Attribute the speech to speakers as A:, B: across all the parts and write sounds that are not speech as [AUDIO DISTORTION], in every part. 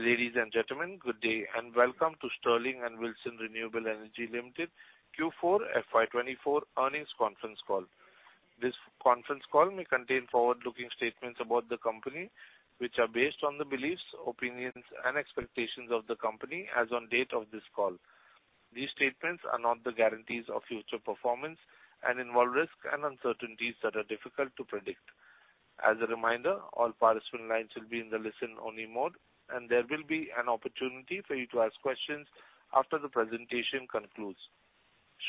A: Ladies and gentlemen, good day, and welcome to Sterling and Wilson Renewable Energy Limited Q4 FY 2024 Earnings Conference Call. This conference call may contain forward-looking statements about the company, which are based on the beliefs, opinions, and expectations of the company as on date of this call. These statements are not the guarantees of future performance and involve risks and uncertainties that are difficult to predict. As a reminder, all participant lines will be in the listen-only mode, and there will be an opportunity for you to ask questions after the presentation concludes.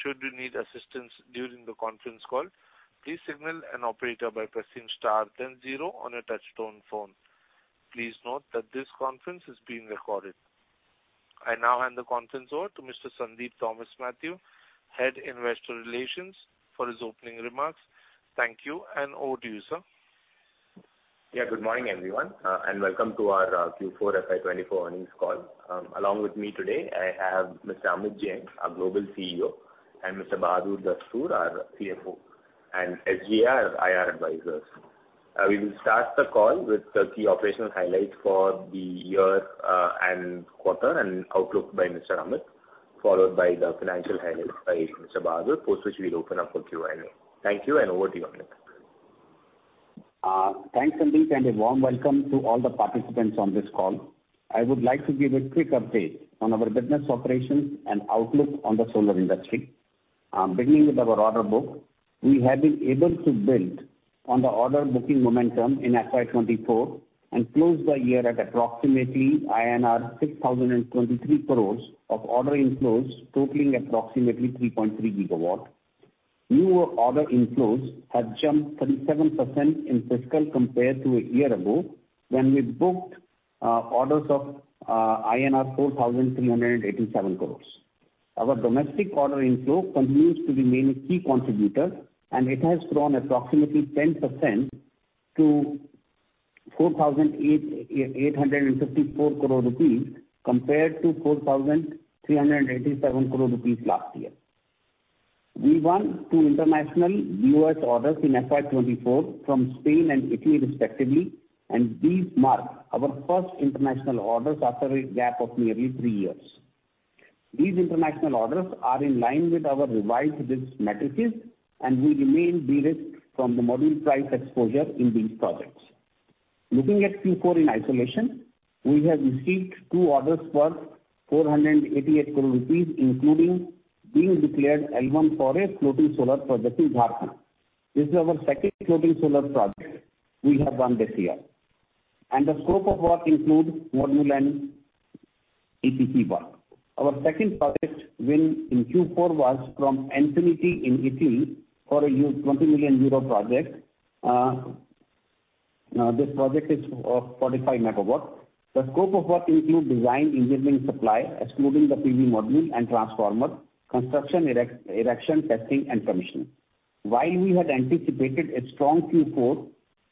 A: Should you need assistance during the conference call, please signal an operator by pressing star then zero on your touchtone phone. Please note that this conference is being recorded. I now hand the conference over to Mr. Sandeep Thomas Mathew, Head Investor Relations, for his opening remarks. Thank you, and over to you, sir.
B: Yeah, good morning, everyone, and welcome to our Q4 FY 2024 Earnings Call. Along with me today, I have Mr. Amit Jain, our Global CEO, and Mr. Bahadur Dastoor, our CFO, and SGA, our IR advisors. We will start the call with the key operational highlights for the year, and quarter and outlook by Mr. Amit, followed by the financial highlights by Mr. Bahadur, post which we'll open up for Q&A. Thank you, and over to you, Amit.
C: Thanks, Sandeep, and a warm welcome to all the participants on this call. I would like to give a quick update on our business operations and outlook on the solar industry. Beginning with our order book, we have been able to build on the order booking momentum in FY 2024 and closed the year at approximately INR 6,023 crores of order inflows, totaling approximately 3.3GW. New order inflows have jumped 37% in fiscal compared to a year ago, when we booked orders of INR 4,387 crores. Our domestic order inflow continues to remain a key contributor, and it has grown approximately 10% to 4,884 crore rupees, compared to 4,387 crore rupees last year. We won two international [AUDIO DISTORTION] orders in FY 2024 from Spain and Italy respectively, and these mark our first international orders after a gap of nearly three years. These international orders are in line with our revised business matrices, and we remain de-risked from the module price exposure in these projects. Looking at Q4 in isolation, we have received two orders worth 488 crore rupees, including being declared L1 for a floating solar project in Jharkhand. This is our second floating solar project we have won this year, and the scope of work includes module and EPC work. Our second project win in Q4 was from Enfinity in Italy for a 20 million euro project. Now this project is of 45 MW. The scope of work include design, engineering, supply, excluding the PV module and transformer, construction, erection, testing, and commissioning. While we had anticipated a strong Q4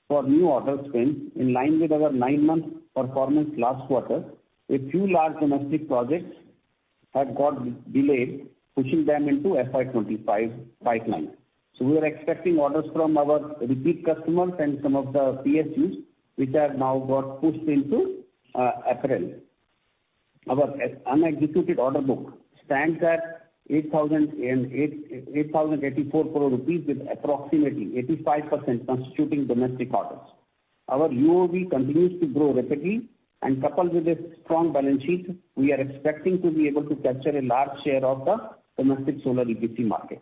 C: for new order wins, in line with our nine-month performance last quarter, a few large domestic projects have got delayed, pushing them into FY 2025 pipeline. So we are expecting orders from our repeat customers and some of the PSUs, which have now got pushed into April. Our unexecuted order book stands at 8,084 crore rupees, with approximately 85% constituting domestic orders. Our OOB continues to grow rapidly, and coupled with a strong balance sheet, we are expecting to be able to capture a large share of the domestic solar EPC market.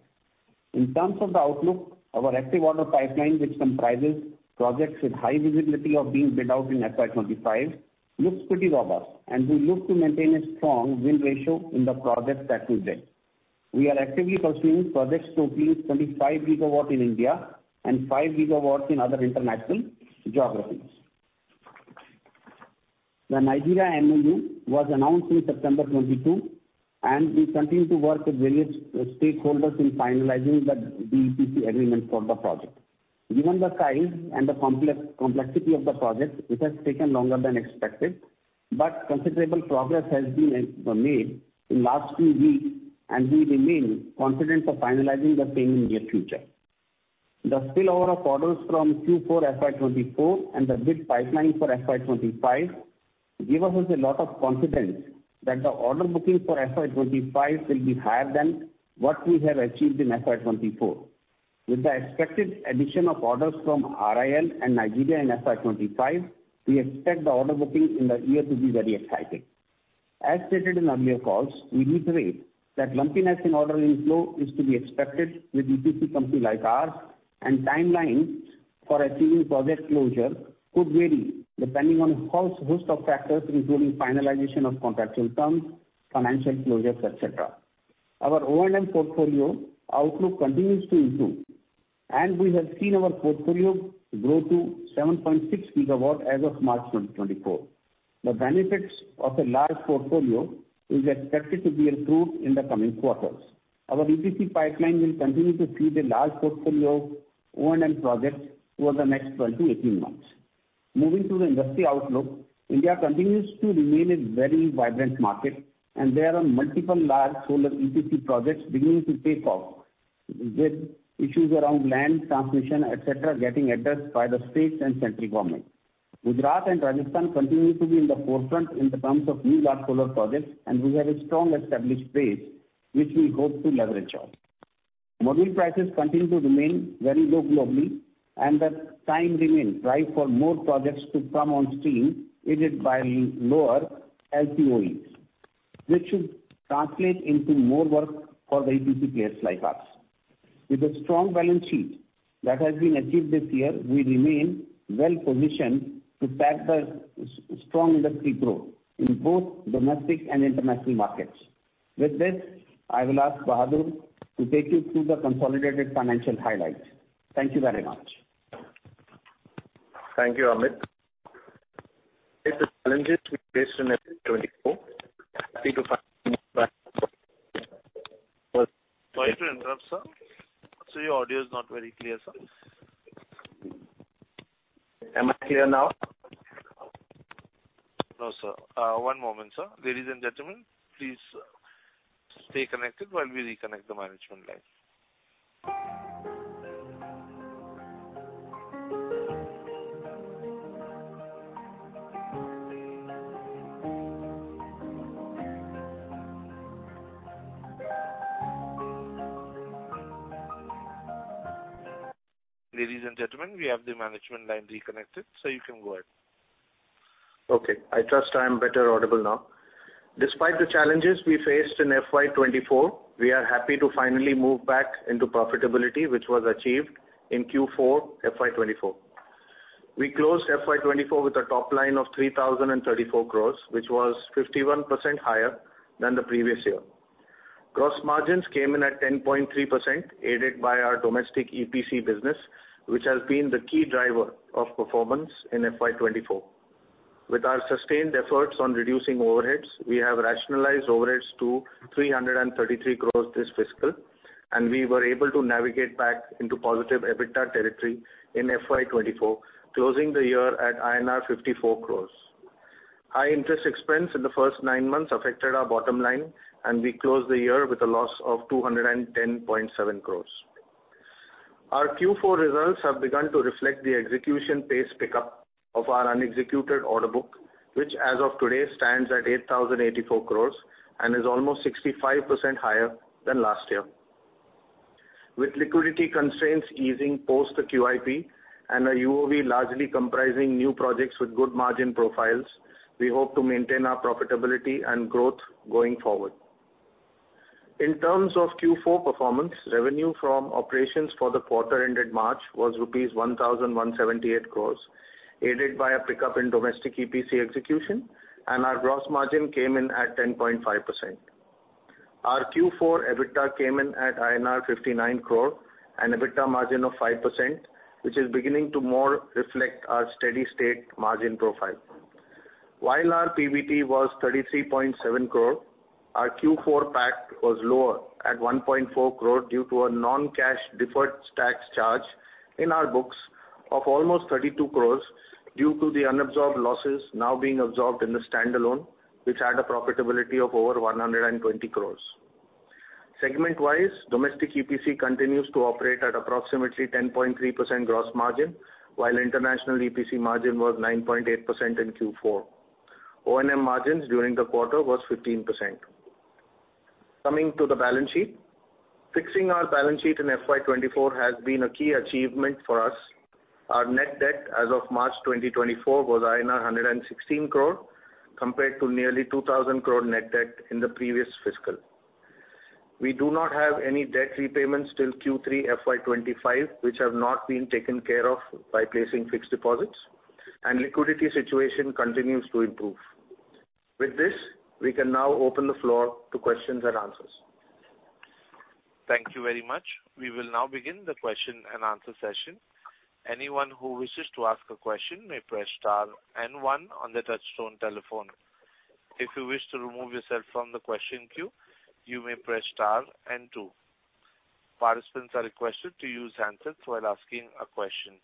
C: In terms of the outlook, our active order pipeline, which comprises projects with high visibility of being bid out in FY 2025, looks pretty robust, and we look to maintain a strong win ratio in the projects that we bid. We are actively pursuing projects totaling 25GW in India and 5GW in other international geographies. The Nigeria MOU was announced in September 2022, and we continue to work with various stakeholders in finalizing the EPC agreement for the project. Given the size and the complex, complexity of the project, it has taken longer than expected, but considerable progress has been made in last few weeks, and we remain confident of finalizing the same in near future. The spillover of orders from Q4 FY 2024 and the bid pipeline for FY 2025 gives us a lot of confidence that the order booking for FY 2025 will be higher than what we have achieved in FY 2024. With the expected addition of orders from RIL and Nigeria in FY 2025, we expect the order booking in the year to be very exciting. As stated in earlier calls, we reiterate that lumpiness in order inflow is to be expected with EPC company like ours, and timelines for achieving project closure could vary, depending on a host of factors, including finalization of contractual terms, financial closures, et cetera. Our O&M portfolio outlook continues to improve, and we have seen our portfolio grow to 7.6GW as of March 2024. The benefits of a large portfolio is expected to be improved in the coming quarters. Our EPC pipeline will continue to see the large portfolio O&M projects over the next 12-18 months. Moving to the industry outlook, India continues to remain a very vibrant market, and there are multiple large solar EPC projects beginning to take off, with issues around land, transmission, et cetera, getting addressed by the state and central government. Gujarat and Rajasthan continue to be in the forefront in terms of new large solar projects, and we have a strong established base, which we hope to leverage on. Module prices continue to remain very low globally, and the time remains right for more projects to come on stream, aided by lower LCOEs, which should translate into more work for the EPC players like us. With a strong balance sheet that has been achieved this year, we remain well positioned to tap the strong industry growth in both domestic and international markets. With this, I will ask Bahadur to take you through the consolidated financial highlights. Thank you very much.
D: Thank you, Amit. Despite the challenges we faced in FY 2024, happy to find
A: Sorry to interrupt, sir. Sir, your audio is not very clear, sir.
D: Am I clear now?
A: No, sir. One moment, sir. Ladies and gentlemen, please stay connected while we reconnect the management line. Ladies and gentlemen, we have the management line reconnected, so you can go ahead.
D: Okay, I trust I'm better audible now. Despite the challenges we faced in FY 2024, we are happy to finally move back into profitability, which was achieved in Q4 FY 2024. We closed FY 2024 with a top line of 3,034 crores, which was 51% higher than the previous year. Gross margins came in at 10.3%, aided by our domestic EPC business, which has been the key driver of performance in FY 2024. With our sustained efforts on reducing overheads, we have rationalized overheads to 333 crores this fiscal, and we were able to navigate back into positive EBITDA territory in FY 2024, closing the year at INR 54 crores. High interest expense in the first nine months affected our bottom line, and we closed the year with a loss of 210.7 crores. Our Q4 results have begun to reflect the execution pace pickup of our unexecuted order book, which, as of today, stands at 8,084 crore and is almost 65% higher than last year. With liquidity constraints easing post the QIP and our UOB largely comprising new projects with good margin profiles, we hope to maintain our profitability and growth going forward. In terms of Q4 performance, revenue from operations for the quarter ended March was rupees 1,178 crore, aided by a pickup in domestic EPC execution, and our gross margin came in at 10.5%. Our Q4 EBITDA came in at INR 59 crore and EBITDA margin of 5%, which is beginning to more reflect our steady state margin profile. While our PBT was 33.7 crore, our Q4 PAT was lower at 1.4 crore due to a non-cash deferred tax charge in our books of almost 32 crores, due to the unabsorbed losses now being absorbed in the standalone, which had a profitability of over 120 crores. Segment-wise, domestic EPC continues to operate at approximately 10.3% gross margin, while international EPC margin was 9.8% in Q4. O&M margins during the quarter was 15%. Coming to the balance sheet. Fixing our balance sheet in FY 2024 has been a key achievement for us. Our net debt as of March 2024 was INR 116 crore, compared to nearly 2,000 crore net debt in the previous fiscal. We do not have any debt repayments till Q3 FY25, which have not been taken care of by placing fixed deposits, and liquidity situation continues to improve. With this, we can now open the floor to questions and answers.
A: Thank you very much. We will now begin the question and answer session. Anyone who wishes to ask a question may press star and one on the touchtone telephone. If you wish to remove yourself from the question queue, you may press star and two. Participants are requested to use handsets while asking a question.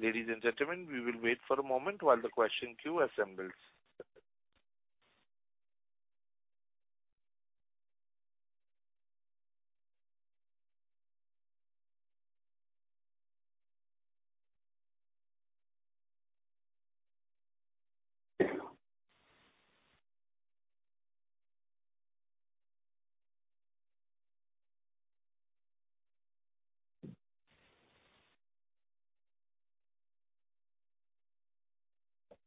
A: Ladies and gentlemen, we will wait for a moment while the question queue assembles.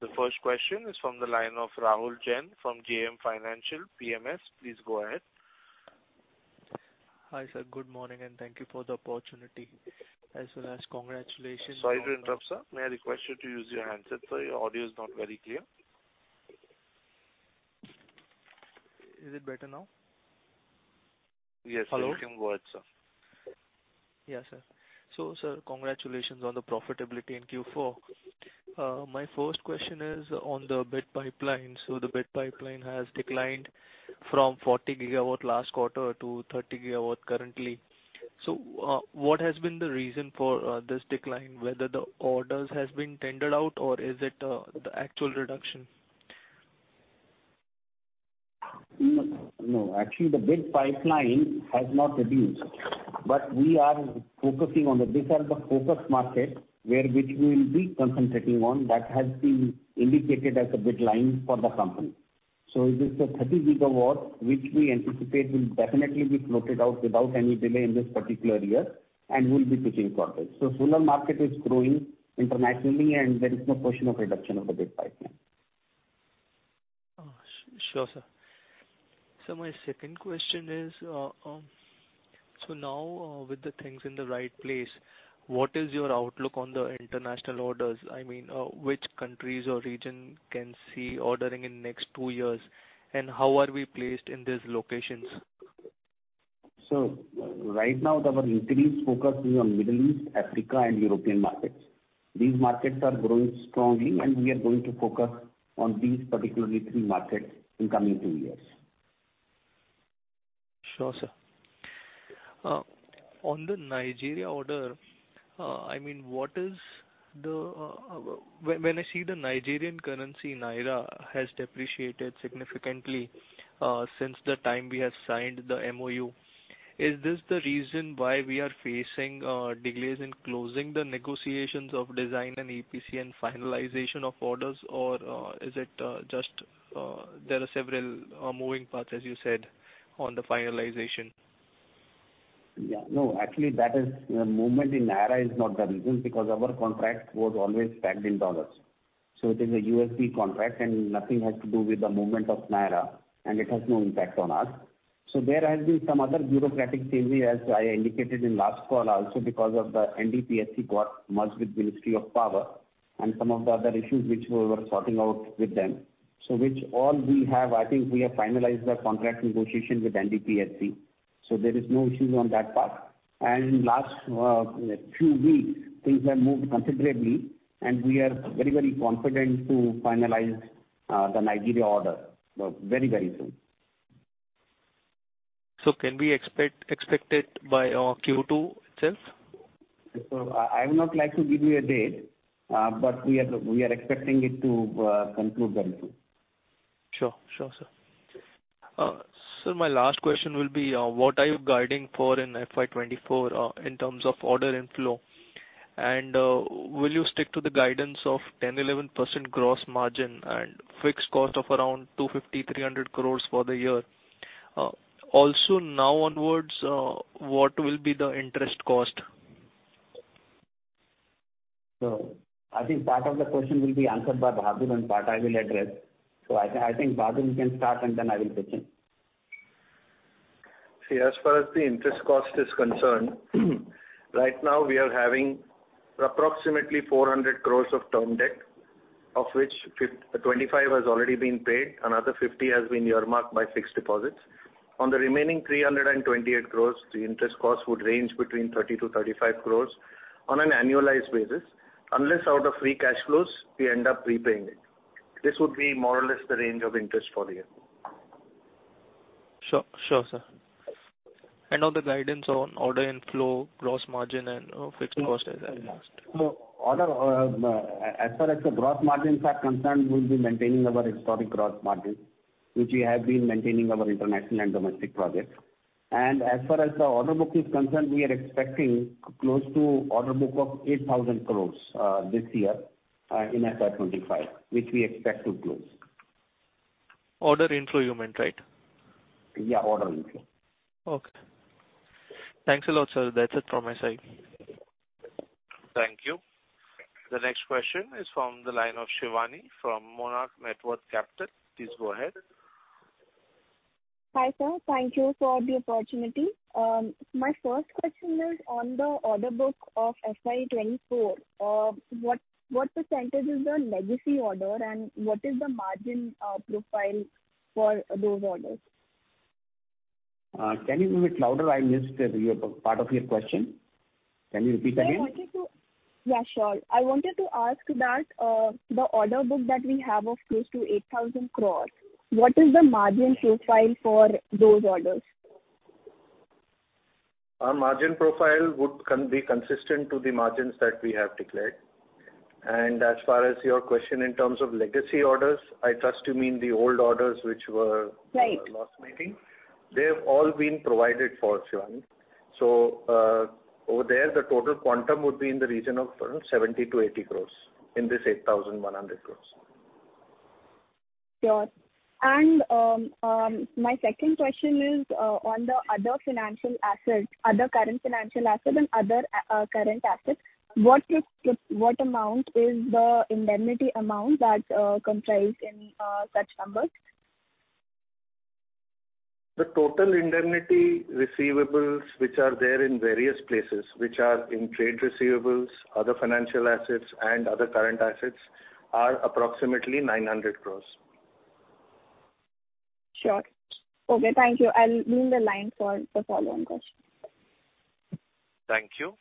A: The first question is from the line of Rahul Jain from JM Financial PMS. Please go ahead.
E: Hi, sir. Good morning, and thank you for the opportunity, as well as congratulations-
A: Sorry to interrupt, sir. May I request you to use your handset, sir? Your audio is not very clear.
E: Is it better now?
A: Yes-
E: Hello?
A: You can go ahead, sir.
E: Yeah, sir. So, sir, congratulations on the profitability in Q4. My first question is on the bid pipeline. So the bid pipeline has declined from 40GW last quarter to 30GW currently. What has been the reason for this decline, whether the orders has been tendered out or is it the actual reduction?
C: ...No, no actually the bid pipeline has not reduced, but we are focusing on, these are the focus markets where we will be concentrating on. That has been indicated as a bid line for the company. So it is a 30GW, which we anticipate will definitely be floated out without any delay in this particular year, and we'll be pitching for it. So solar market is growing internationally, and there is no question of reduction of the bid pipeline.
E: Sure, sir. So my second question is, so now, with the things in the right place, what is your outlook on the international orders? I mean, which countries or region can see ordering in next two years, and how are we placed in these locations?
C: So right now, our intense focus is on Middle East, Africa, and European markets. These markets are growing strongly, and we are going to focus on these particular three markets in coming two years.
E: Sure, sir. On the Nigeria order, I mean, what is the... When I see the Nigerian currency, naira, has depreciated significantly since the time we have signed the MOU, is this the reason why we are facing delays in closing the negotiations of design and EPC and finalization of orders? Or is it just there are several moving parts, as you said, on the finalization?
C: Yeah. No, actually, that is, the movement in naira is not the reason, because our contract was always pegged in dollars. So it is a USD contract, and nothing has to do with the movement of naira, and it has no impact on us. So there has been some other bureaucratic delay, as I indicated in last call, also because of the NDPHC got merged with Ministry of Power and some of the other issues which we were sorting out with them. So which all we have, I think we have finalized the contract negotiation with NDPHC, so there is no issues on that part. And in last, few weeks, things have moved considerably, and we are very, very confident to finalize, the Nigeria order, very, very soon.
E: So can we expect, expect it by Q2 itself?
C: I would not like to give you a date, but we are expecting it to conclude very soon.
E: Sure. Sure, sir. Sir, my last question will be, what are you guiding for in FY 2024, in terms of order inflow? And, will you stick to the guidance of 10%-11% gross margin and fixed cost of around 250 crore-300 crore for the year? Also, now onwards, what will be the interest cost?
C: So I think part of the question will be answered by Bahadur, and part I will address. So I, I think, Bahadur, you can start, and then I will pitch in.
D: See, as far as the interest cost is concerned, right now we are having approximately 400 crores of term debt, of which 25 crores has already been paid, another 50 crores has been earmarked by fixed deposits. On the remaining 328 crores, the interest costs would range between 30 crore-35 crore on an annualized basis, unless out of free cash flows, we end up repaying it. This would be more or less the range of interest for the year.
E: Sure. Sure, sir. And now the guidance on order inflow, gross margin, and fixed cost as well.
C: No, order, as far as the gross margins are concerned, we'll be maintaining our historic gross margin, which we have been maintaining in our international and domestic projects. And as far as the order book is concerned, we are expecting close to an order book of 8,000 crore this year in FY 2025, which we expect to close.
E: Order inflow you meant, right?
C: Yeah, order inflow.
E: Okay. Thanks a lot, sir. That's it from my side.
A: Thank you. The next question is from the line of Shiwani from Monarch Networth Capital. Please go ahead.
F: Hi, sir. Thank you for the opportunity. My first question is on the order book of FY 2024. What , what percentage is the legacy order, and what is the margin profile for those orders?
C: Can you be a bit louder? I missed your part of your question. Can you repeat again?
F: I wanted to. Yeah, sure. I wanted to ask that, the order book that we have of close to 8,000 crore, what is the margin profile for those orders?
D: Our margin profile would be consistent to the margins that we have declared. And as far as your question in terms of legacy orders, I trust you mean the old orders which were-
F: Right.
D: Last meeting. They've all been provided for, Shiwani. So, over there, the total quantum would be in the region of 70 crore-80 crore, in this 8,100 crores.
F: Sure. And, my second question is on the other financial assets, other current financial assets and other current assets, what is, what amount is the indemnity amount that comprised in such numbers?
D: The total indemnity receivables, which are there in various places, which are in trade receivables, other financial assets, and other current assets, are approximately 900 crores.
F: Sure. Okay, thank you. I'll be on the line for the follow-on question.
A: Thank you.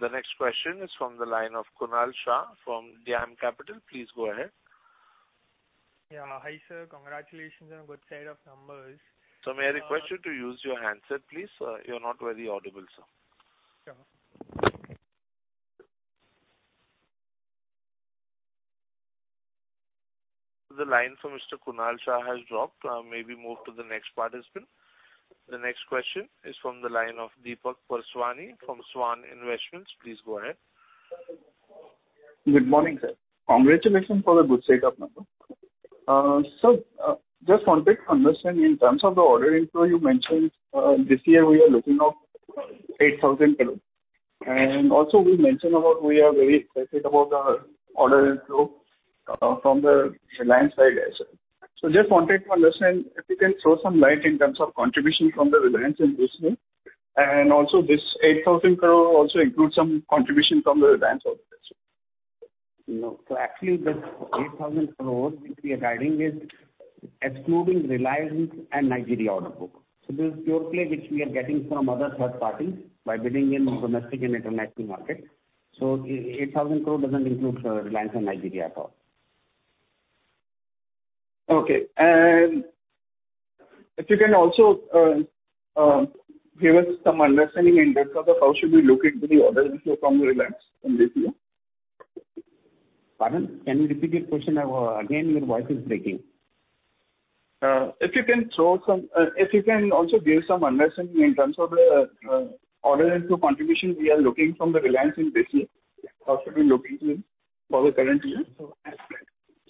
A: The next question is from the line of Kunal Shah from DAM Capital. Please go ahead.
G: Yeah. Hi, sir. Congratulations on good set of numbers.
A: So may I request you to use your handset, please? You're not very audible, sir.
G: Sure....
A: The line from Mr. Kunal Shah has dropped. Maybe move to the next participant. The next question is from the line of Deepak Purswani from Svan Investments. Please go ahead.
H: Good morning, sir. Congratulations on the good set of number. So, just wanted to understand, in terms of the order inflow, you mentioned, this year we are looking of 8,000 crore. And also we mentioned about we are very excited about our order inflow, from the Reliance side as well. So just wanted to understand if you can throw some light in terms of contribution from the Reliance Industries. And also, this 8,000 crore also includes some contribution from the Reliance also.
C: No. So actually, this 8,000 crore which we are guiding is excluding Reliance and Nigeria order book. So this is pure play, which we are getting from other third parties by building in domestic and international market. So eight thousand crore doesn't include, Reliance and Nigeria at all.
H: Okay. And if you can also give us some understanding in terms of how should we look into the order inflow from Reliance in this year?
C: Pardon? Can you repeat the question, again? Your voice is breaking.
H: If you can throw some, if you can also give some understanding in terms of the order inflow contribution we are looking from the Reliance in this year, how should we look into it for the current year? So-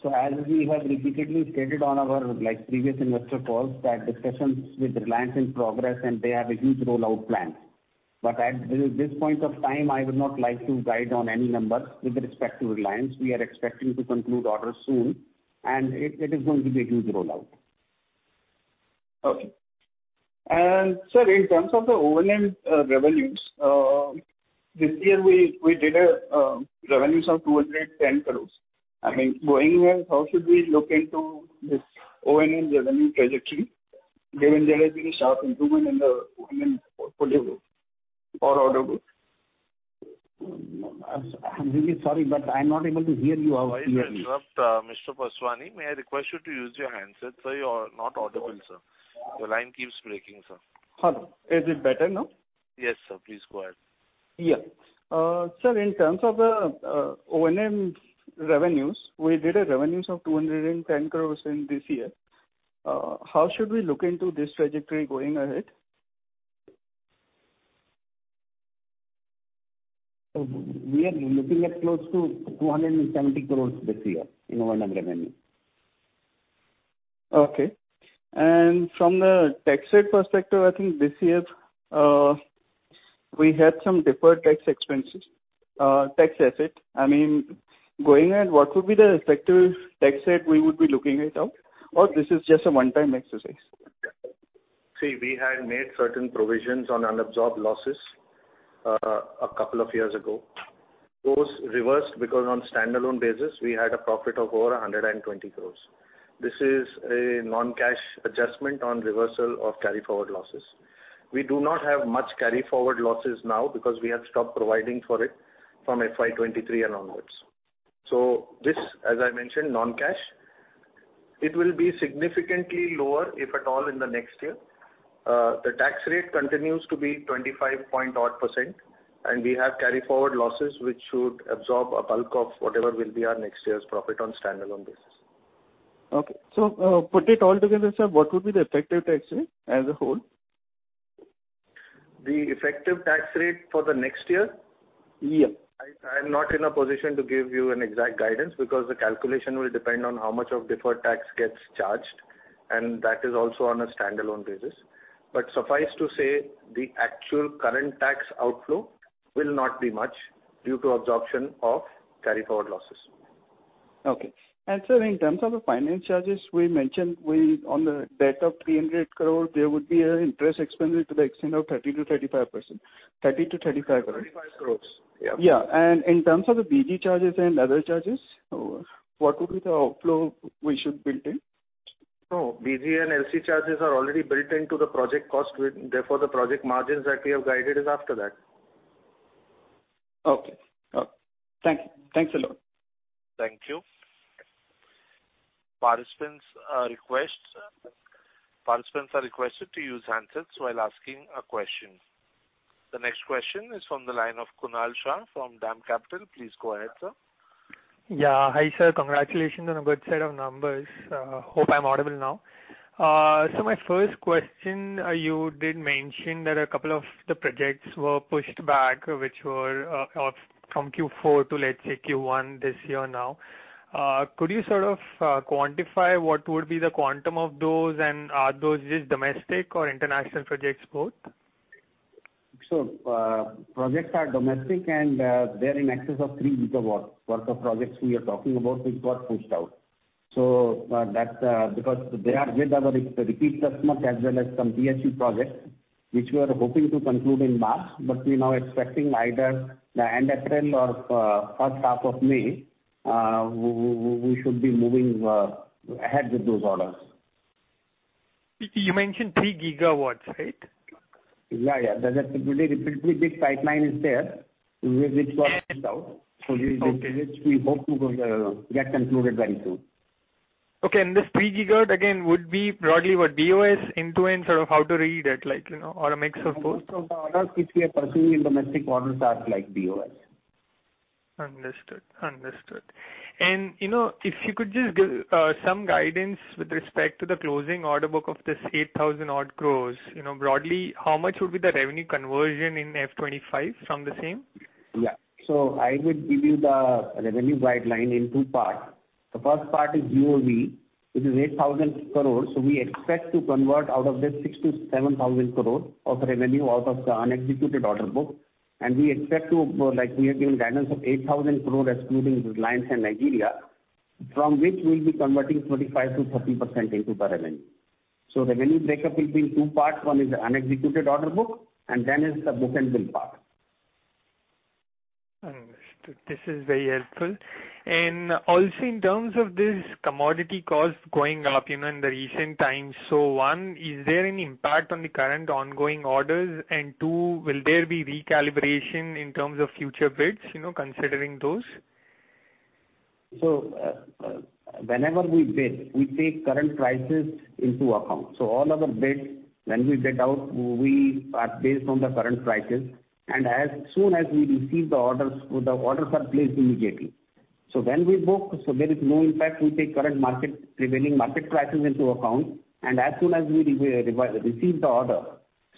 C: So as we have repeatedly stated on our, like, previous investor calls, that discussions with Reliance in progress, and they have a huge rollout plan. But at this point of time, I would not like to guide on any numbers with respect to Reliance. We are expecting to conclude orders soon, and it is going to be a huge rollout.
H: Okay. Sir, and in terms of the O&M revenues, this year we, we did revenues of 210 crores. I mean, going ahead, how should we look into this O&M revenue trajectory, given there has been a sharp improvement in the O&M portfolio or order book?
C: I'm really sorry, but I'm not able to hear your voice clearly.
A: This is the operator, Mr. Paswani. May I request you to use your handset, sir. You're not audible, sir. Your line keeps breaking, sir.
H: Hello. Is it better now?
A: Yes, sir. Please go ahead.
H: Yeah. Sir, in terms of the O&M revenues, we did a revenues of 210 crores in this year. How should we look into this trajectory going ahead?
C: We are looking at close to 270 crores this year in O&M revenue.
H: Okay. And from the tax rate perspective, I think this year, we had some deferred tax expenses, tax asset. I mean, going ahead, what would be the effective tax rate we would be looking it out, or this is just a one-time exercise?
D: See, we had made certain provisions on unabsorbed losses a couple of years ago. Those reversed because on standalone basis, we had a profit of over 120 crores. This is a non-cash adjustment on reversal of carry forward losses. We do not have much carry forward losses now because we have stopped providing for it from FY 2023 and onwards. So this, as I mentioned, non-cash, it will be significantly lower, if at all, in the next year. The tax rate continues to be 25% odd, and we have carry forward losses, which should absorb a bulk of whatever will be our next year's profit on standalone basis.
H: Okay. Put it all together, sir, what would be the effective tax rate as a whole?
D: The effective tax rate for the next year?
H: Yeah.
D: I'm not in a position to give you an exact guidance, because the calculation will depend on how much of deferred tax gets charged, and that is also on a standalone basis. But suffice to say, the actual current tax outflow will not be much due to absorption of carry forward losses.
H: Okay. And sir, in terms of the finance charges, we mentioned we, on the debt of 300 crore, there would be an interest expenditure to the extent of 30%-35%. 30-35-
D: 35 crores, yeah.
H: Yeah. And in terms of the BG charges and other charges, what would be the outflow we should build in?
D: No, BG and LC charges are already built into the project cost. Therefore, the project margins that we have guided is after that.
H: Okay. Thank you. Thanks a lot.
A: Thank you. Participants are requested to use handsets while asking a question. The next question is from the line of Kunal Shah, from DAM Capital. Please go ahead, sir.
G: Yeah. Hi, sir. Congratulations on a good set of numbers. Hope I'm audible now. So my first question, you did mention that a couple of the projects were pushed back, which were from Q4 to, let's say, Q1 this year now. Could you sort of quantify what would be the quantum of those, and are those just domestic or international projects both?
C: So projects are domestic, and they're in excess of 3GW. What the projects we are talking about, which got pushed out. That's because they are with our repeat customers as well as some PSU projects, which we are hoping to conclude in March, but we're now expecting either the end of April or first half of May, we should be moving ahead with those orders.
G: You mentioned 3GW, right?
C: Yeah, yeah. There's a pretty, pretty big pipeline there, which got pushed out.
G: Okay.
C: -which we hope to go, get concluded very soon.
G: ...Okay, and this 3GW again would be broadly what BOS end-to-end, sort of how to read it, like, you know, or a mix of both?
C: Most of the orders which we are pursuing in domestic orders are like BOS.
G: Understood. Understood. And, you know, if you could just give some guidance with respect to the closing order book of this 8,000-odd crores, you know, broadly, how much would be the revenue conversion in FY 2025 from the same?
C: Yeah. So I would give you the revenue guideline in two parts. The first part is GOV, which is 8,000 crore. So we expect to convert out of this 6,000 crore-7,000 crore of revenue out of the unexecuted order book, and we expect to, like, we have given guidance of 8,000 crore, excluding Reliance and Nigeria, from which we'll be converting 25%-30% into the revenue. So revenue breakup will be in two parts, one is unexecuted order book, and then is the book and build part.
G: Understood. This is very helpful. And also, in terms of this commodity cost going up, you know, in recent times, so one, is there any impact on the current ongoing orders? And two, will there be recalibration in terms of future bids, you know, considering those?
C: So, whenever we bid, we take current prices into account. So all of our bids, when we bid out, we are based on the current prices, and as soon as we receive the orders, the orders are placed immediately. So when we book, so there is no impact, we take current market, prevailing market prices into account, and as soon as we receive the order.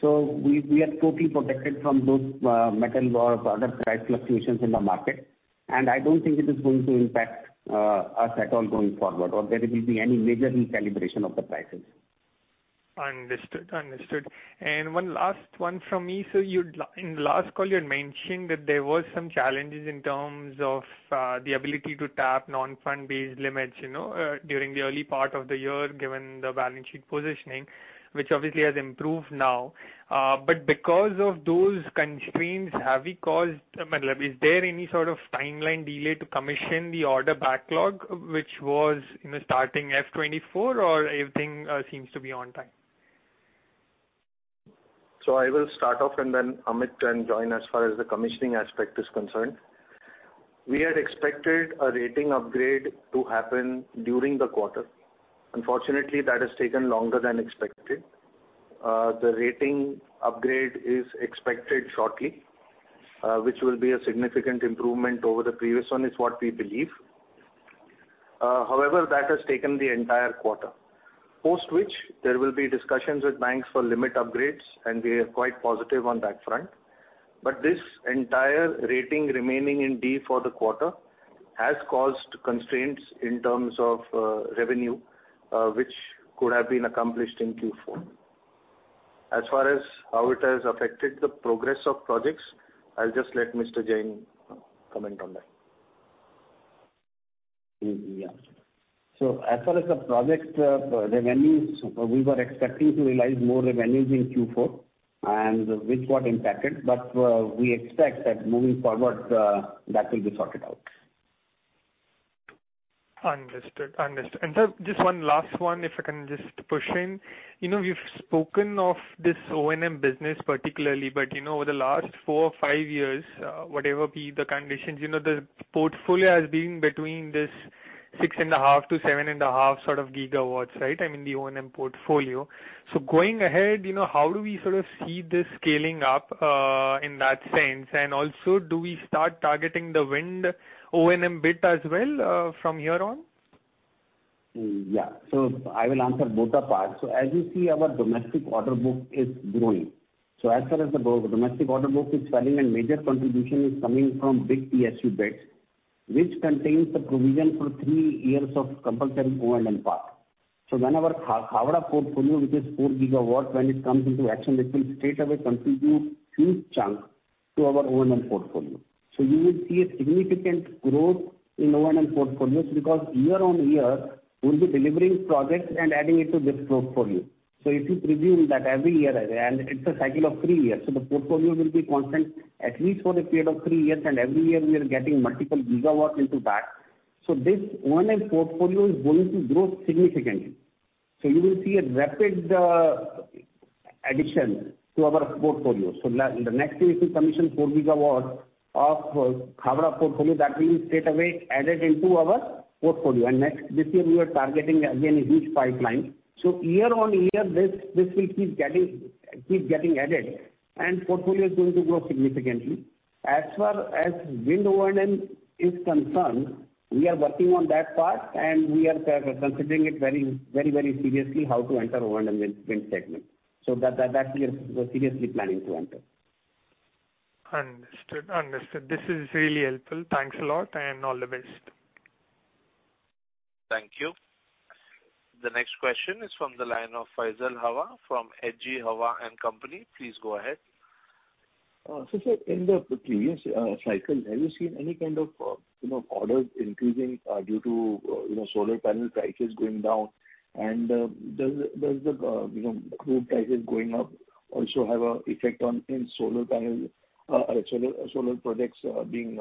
C: So we are totally protected from those, metal or other price fluctuations in the market, and I don't think it is going to impact us at all going forward, or there will be any major recalibration of the prices.
G: Understood. Understood. And one last one from me, sir. You had in the last call, you had mentioned that there were some challenges in terms of the ability to tap non-fund based limits, you know, during the early part of the year, given the balance sheet positioning, which obviously has improved now. But because of those constraints, have we caused, I mean like, is there any sort of timeline delay to commission the order backlog, which was in the starting FY 2024, or everything seems to be on time?
D: So I will start off, and then Amit can join as far as the commissioning aspect is concerned. We had expected a rating upgrade to happen during the quarter. Unfortunately, that has taken longer than expected. The rating upgrade is expected shortly, which will be a significant improvement over the previous one, is what we believe. However, that has taken the entire quarter. Post which, there will be discussions with banks for limit upgrades, and we are quite positive on that front. But this entire rating remaining in D for the quarter has caused constraints in terms of revenue, which could have been accomplished in Q4. As far as how it has affected the progress of projects, I'll just let Mr. Jain comment on that.
C: Yeah. So as far as the project revenues, we were expecting to realize more revenues in Q4, and which got impacted, but we expect that moving forward, that will be sorted out.
G: Understood. Understood. And, sir, just one last one, if I can just push in. You know, you've spoken of this O&M business particularly, but you know, over the last four or five years, whatever be the conditions, you know, the portfolio has been between this 6.5-7.5 sort of GW, right? I mean, the O&M portfolio. So going ahead, you know, how do we sort of see this scaling up, in that sense? And also, do we start targeting the wind O&M bit as well, from here on?
C: Yeah. So I will answer both the parts. So as you see, our domestic order book is growing. So as far as the domestic order book is swelling, and major contribution is coming from big PSU bids, which contains the provision for three years of compulsory O&M part. So when our Khavda portfolio, which is 4GW, when it comes into action, it will straightaway contribute huge chunk to our O&M portfolio. So you will see a significant growth in O&M portfolios, because year-on-year, we'll be delivering projects and adding it to this portfolio. So if you presume that every year, and it's a cycle of three years, so the portfolio will be constant at least for a period of three years, and every year we are getting multiple GW into that. So this O&M portfolio is going to grow significantly. So you will see a rapid addition to our portfolio. So the next thing, we will commission 4GW of Khavda portfolio that will be straightaway added into our portfolio. And next, this year, we are targeting again, a huge pipeline. So year on year, this will keep getting added, and portfolio is going to grow significantly. As far as wind O&M is concerned, we are working on that part, and we are considering it very, very, very seriously, how to enter O&M wind segment. So that, we are seriously planning to enter.
G: Understood. Understood. This is really helpful. Thanks a lot, and all the best.
A: Thank you. The next question is from the line of Faisal Hawa, from HG Hawa and Company. Please go ahead.
I: So sir, in the previous cycle, have you seen any kind of you know, orders increasing due to you know, solar panel prices going down? And, does the you know, crude prices going up also have a effect on in solar panel or solar solar projects being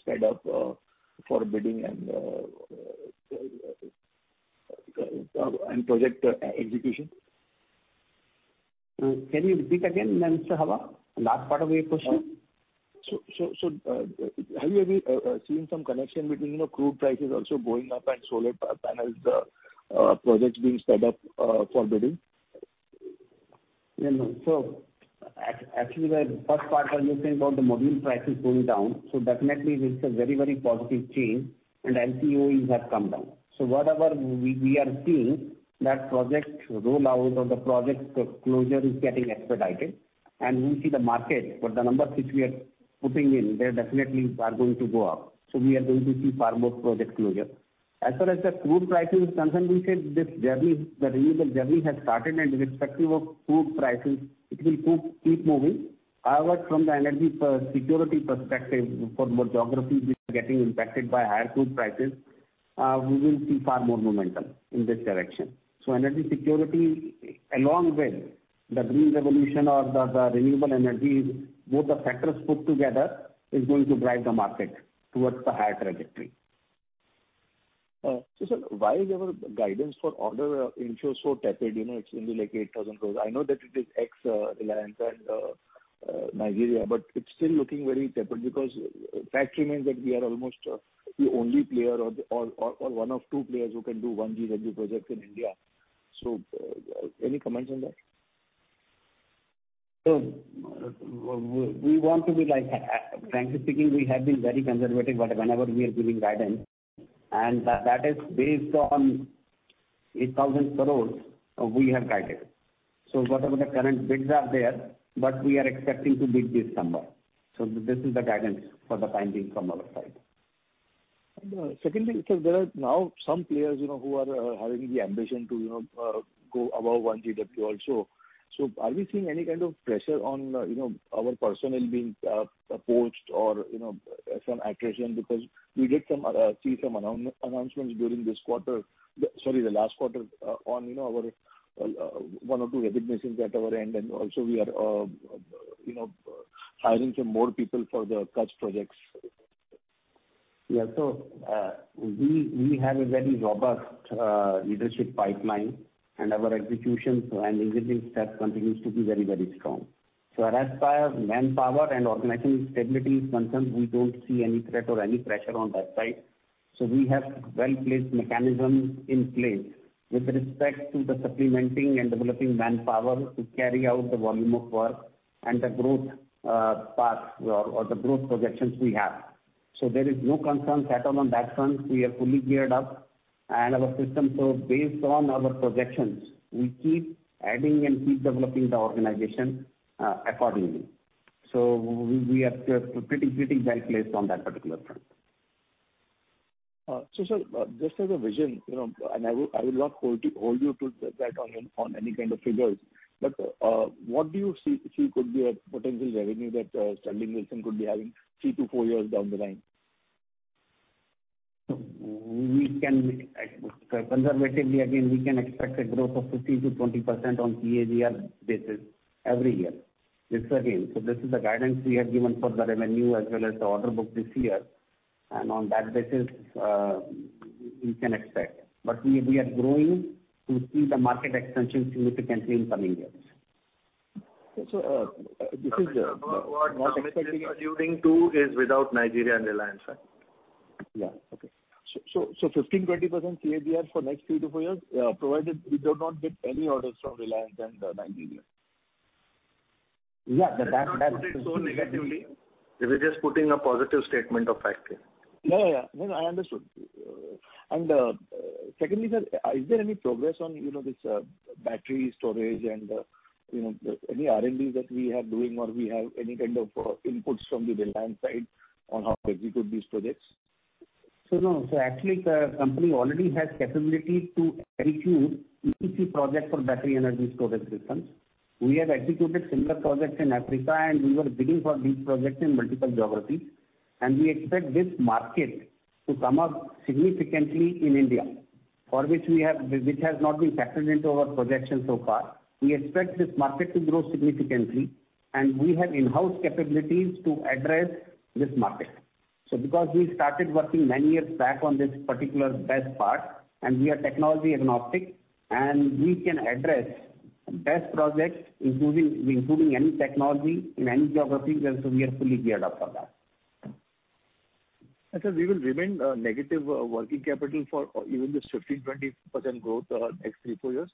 I: sped up for bidding and and project execution?...
C: Can you repeat again, Mr. Hawa, last part of your question?
I: So, have you ever seen some connection between, you know, crude prices also going up and solar panels projects being sped up for bidding?
C: No. So actually, the first part you're saying about the module prices going down, so definitely this is a very, very positive change, and LCOEs have come down. So whatever we are seeing, that project roll out or the project closure is getting expedited. And we see the market for the numbers which we are putting in, they definitely are going to go up. So we are going to see far more project closures. As far as the crude pricing is concerned, we said this journey, the renewable journey has started, and irrespective of crude prices, it will keep moving. However, from the energy security perspective, for the geographies which are getting impacted by higher crude prices, we will see far more momentum in this direction. So energy security, along with the green revolution or the renewable energies, both the factors put together, is going to drive the market towards the higher trajectory.
I: So, sir, why is our guidance for order inflows so tepid? You know, it's only, like, 8,000 crore. I know that it is ex Reliance and Nigeria, but it's still looking very tepid because the fact remains that we are almost the only player or one of two players who can do 1GW project in India. So, any comments on that?
C: So we want to be like, frankly speaking, we have been very conservative, but whenever we are giving guidance, and that is based on 8,000 crore, we have guided. So whatever the current bids are there, but we are expecting to beat this number. So this is the guidance for the time being from our side.
I: Secondly, sir, there are now some players, you know, who are having the ambition to, you know, go above 1GW also. So are we seeing any kind of pressure on, you know, our personnel being poached or, you know, some attrition? Because we did see some announcements during this quarter, sorry, the last quarter, on, you know, our one or two recognitions at our end, and also we are, you know, hiring some more people for the Kutch projects.
C: Yeah. So we have a very robust leadership pipeline, and our execution staff continues to be very, very strong. So as far as manpower and organizational stability is concerned, we don't see any threat or any pressure on that side. So we have well-placed mechanisms in place with respect to the supplementing and developing manpower to carry out the volume of work and the growth path or the growth projections we have. So there is no concerns at all on that front. We are fully geared up, and our systems are based on our projections. We keep adding and keep developing the organization accordingly. So we are pretty, pretty well placed on that particular front.
I: So, sir, just as a vision, you know, and I will not hold you to that on any kind of figures, but what do you see could be a potential revenue that Sterling Wilson could be having 3-4 years down the line?
C: We can, conservatively, again, we can expect a growth of 15%-20% on CAGR basis every year. This again, so this is the guidance we have given for the revenue as well as the order book this year. And on that basis, we can expect. But we are growing to see the market expansion significantly in coming years.
I: So, this is...
D: What Amit is alluding to is without Nigeria and Reliance, right?
I: Yeah. Okay. So, 15%-20% CAGR for next 3-4 years, provided we do not get any orders from Reliance and Nigeria?
C: Yeah, the-
D: Let's not put it so negatively. We're just putting a positive statement of fact here.
I: Yeah, yeah, yeah. No, I understood. And, secondly, sir, is there any progress on, you know, this battery storage and, you know, any R&D that we are doing or we have any kind of inputs from the Reliance side on how to execute these projects?
C: So, no. So actually, the company already has capability to execute EPC project for battery energy storage systems. We have executed similar projects in Africa, and we were bidding for these projects in multiple geographies. And we expect this market to come up significantly in India, for which we have, which has not been factored into our projections so far. We expect this market to grow significantly, and we have in-house capabilities to address this market. So because we started working many years back on this particular BESS part, and we are technology agnostic, and we can address BESS projects, including any technology in any geography, and so we are fully geared up for that.
I: Sir, we will remain negative working capital for even this 15%-20% growth next 3-4 years?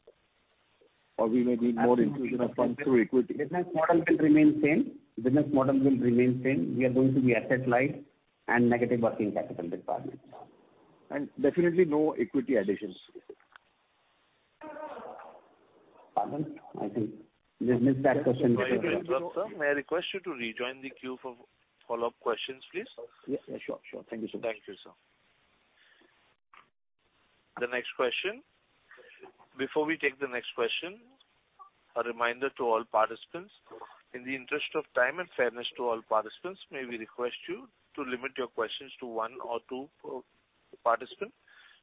I: Or we may need more infusion of funds through equity.
C: Business model will remain same. Business model will remain same. We are going to be asset light and negative working capital department.
I: Definitely no equity additions?
C: Pardon? I think we missed that question.
A: Sir, may I request you to rejoin the queue for follow-up questions, please?
I: Yeah, yeah, sure, sure. Thank you, sir.
A: Thank you, sir. The next question. Before we take the next question, a reminder to all participants, in the interest of time and fairness to all participants, may we request you to limit your questions to one or two per participant.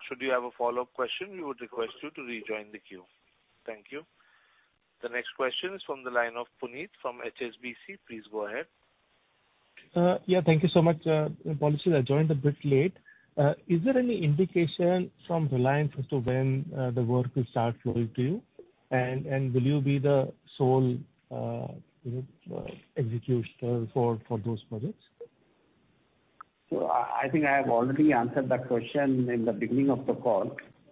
A: Should you have a follow-up question, we would request you to rejoin the queue. Thank you. The next question is from the line of Puneet from HSBC. Please go ahead. ...
J: Yeah, thank you so much. [AUDIO DISTORTION] I joined a bit late. Is there any indication from Reliance as to when the work will start flowing to you? And, and will you be the sole, you know, executioner for those projects?
C: So I, I think I have already answered that question in the beginning of the call.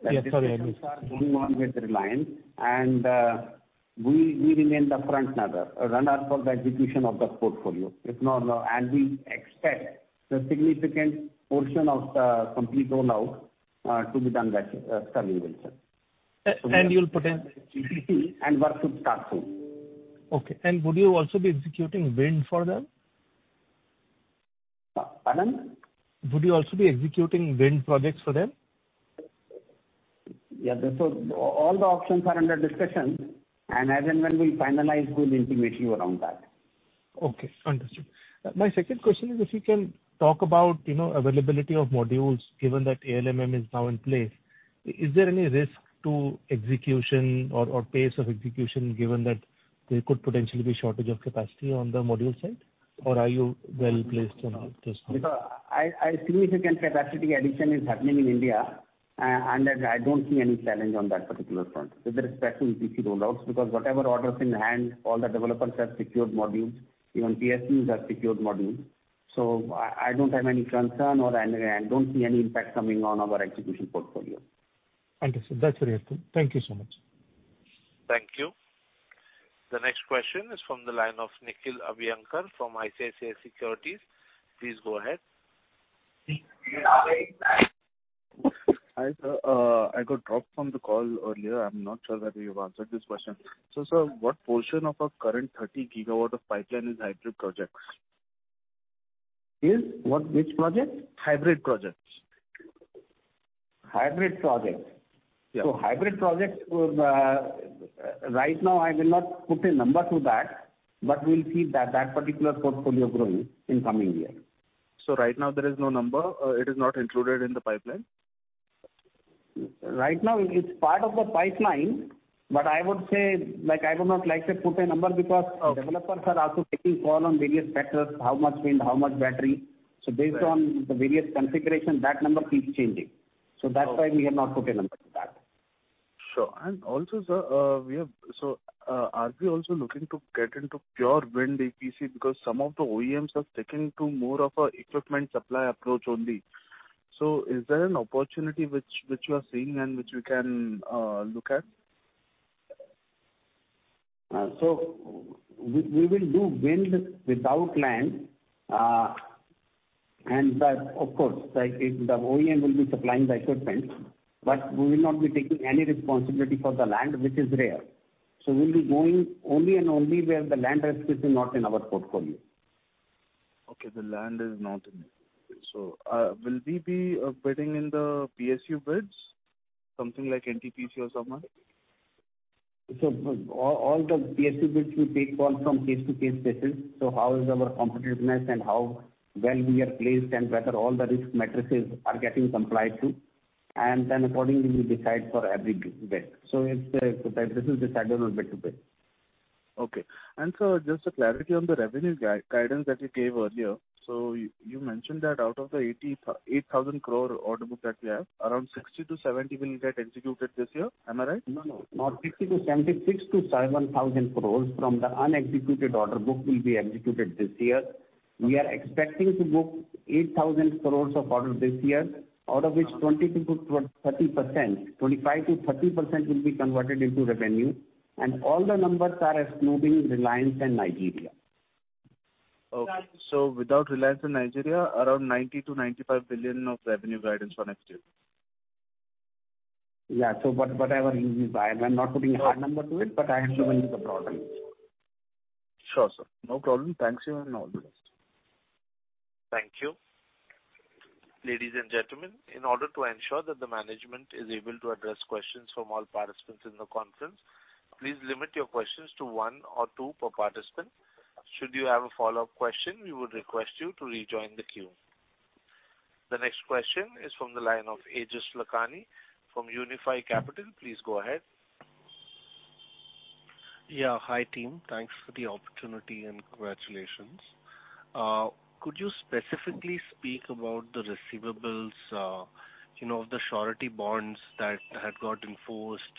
J: Yeah, sorry.
C: Things are going on with Reliance, and we remain the front-runner for the execution of the portfolio. If not... And we expect a significant portion of the complete rollout to be done by Sterling and Wilson.
J: And you'll put in.
C: EPC and work should start soon.
J: Okay. Would you also be executing wind for them?
C: Uh, pardon?
J: Would you also be executing wind projects for them?
C: Yeah, so all the options are under discussion, and as and when we finalize, we'll intimate you around that.
J: Okay, understood. My second question is if you can talk about, you know, availability of modules, given that ALMM is now in place. Is there any risk to execution or, or pace of execution, given that there could potentially be shortage of capacity on the module side? Or are you well-placed enough this time?
C: Because a significant capacity addition is happening in India, and I don't see any challenge on that particular front with respect to EPC rollouts. Because whatever orders in hand, all the developers have secured modules, even PSUs have secured modules. So I don't have any concern or any. I don't see any impact coming on our execution portfolio.
J: Understood. That's very helpful. Thank you so much.
A: Thank you. The next question is from the line of Nikhil Abhyankar from ICICI Securities. Please go ahead.
K: Hi, sir. I got dropped from the call earlier. I'm not sure that you've answered this question. So sir, what portion of our current 30GW of pipeline is hybrid projects?
C: Is what? Which project?
K: Hybrid projects.
C: Hybrid projects.
K: Yeah.
C: So hybrid projects, right now, I will not put a number to that, but we'll see that, that particular portfolio growing in coming years.
K: So right now there is no number? It is not included in the pipeline?
C: Right now, it's part of the pipeline, but I would say, like, I would not like to put a number because-
K: Okay.
C: developers are also taking call on various factors, how much wind, how much battery.
K: Right.
C: Based on the various configuration, that number keeps changing.
K: Okay.
C: So that's why we have not put a number to that.
K: Sure. And also, sir, we are so are we also looking to get into pure wind EPC? Because some of the OEMs are sticking to more of a equipment supply approach only. So is there an opportunity which you are seeing and which we can look at?
C: So we will do wind without land. And that, of course, like, if the OEM will be supplying the equipment, but we will not be taking any responsibility for the land, which is rare. So we'll be going only and only where the land risk is not in our portfolio.
K: Okay, the land is not in. So, will we be bidding in the PSU bids, something like NTPC or somewhere?
C: So all, all the PSU bids we take on from case-to-case basis, so how is our competitiveness and how well we are placed, and whether all the risk matrices are getting complied to, and then accordingly we decide for every bid. So it's, this is decided on bid-to-bid.
K: Okay. And sir, just a clarity on the revenue guidance that you gave earlier. So you mentioned that out of the 8,000 crore order book that you have, around 60 crore-70 crore will get executed this year. Am I right?
C: No, no, not 60 crore-70 crore, 6,000-7,000 crore from the unexecuted order book will be executed this year. We are expecting to book 8,000 crore of order this year, out of which 20%-30%, 25%-30% will be converted into revenue. And all the numbers are excluding Reliance and Nigeria.
K: Okay. So without Reliance and Nigeria, around 90 billion-95 billion of revenue guidance for next year?
C: Yeah. So, but I will, I'm not putting a hard number to it, but I am within the broad range.
K: Sure, sir. No problem. Thanks again and all the best.
A: Thank you. Ladies and gentlemen, in order to ensure that the management is able to address questions from all participants in the conference, please limit your questions to one or two per participant. Should you have a follow-up question, we would request you to rejoin the queue. The next question is from the line of Aejas Lakhani from Unifi Capital. Please go ahead.
L: Yeah. Hi, team. Thanks for the opportunity, and congratulations. Could you specifically speak about the receivables, you know, the surety bonds that had got enforced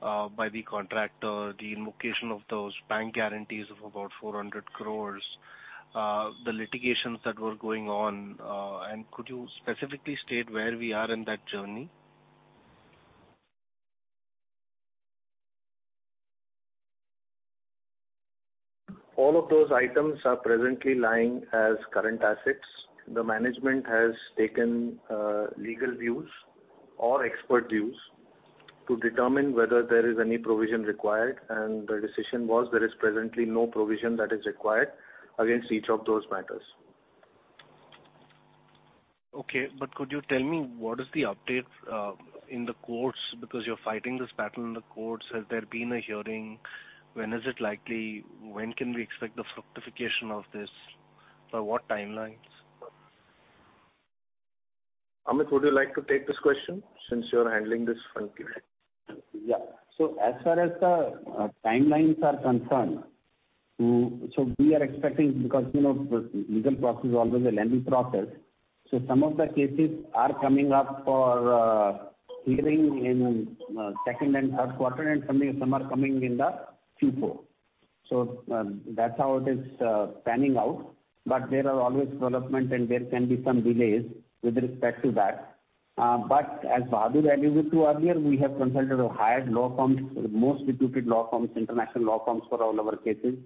L: by the contractor, the invocation of those bank guarantees of about 400 crore, the litigations that were going on, and could you specifically state where we are in that journey?
D: All of those items are presently lying as current assets. The management has taken legal views or expert views to determine whether there is any provision required, and the decision was there is presently no provision that is required against each of those matters.
L: Okay, but could you tell me what is the update in the courts? Because you're fighting this battle in the courts. Has there been a hearing? When is it likely? When can we expect the fructification of this, or what timelines?
D: Amit, would you like to take this question since you're handling this front here?
C: Yeah. So as far as the timelines are concerned, so we are expecting, because, you know, the legal process is always a lengthy process, so some of the cases are coming up for hearing in second and third quarter, and some are, some are coming in the Q4. So, that's how it is panning out. But there are always development and there can be some delays with respect to that. But as Bahadur alluded to earlier, we have consulted or hired law firms, the most reputed law firms, international law firms, for all our cases.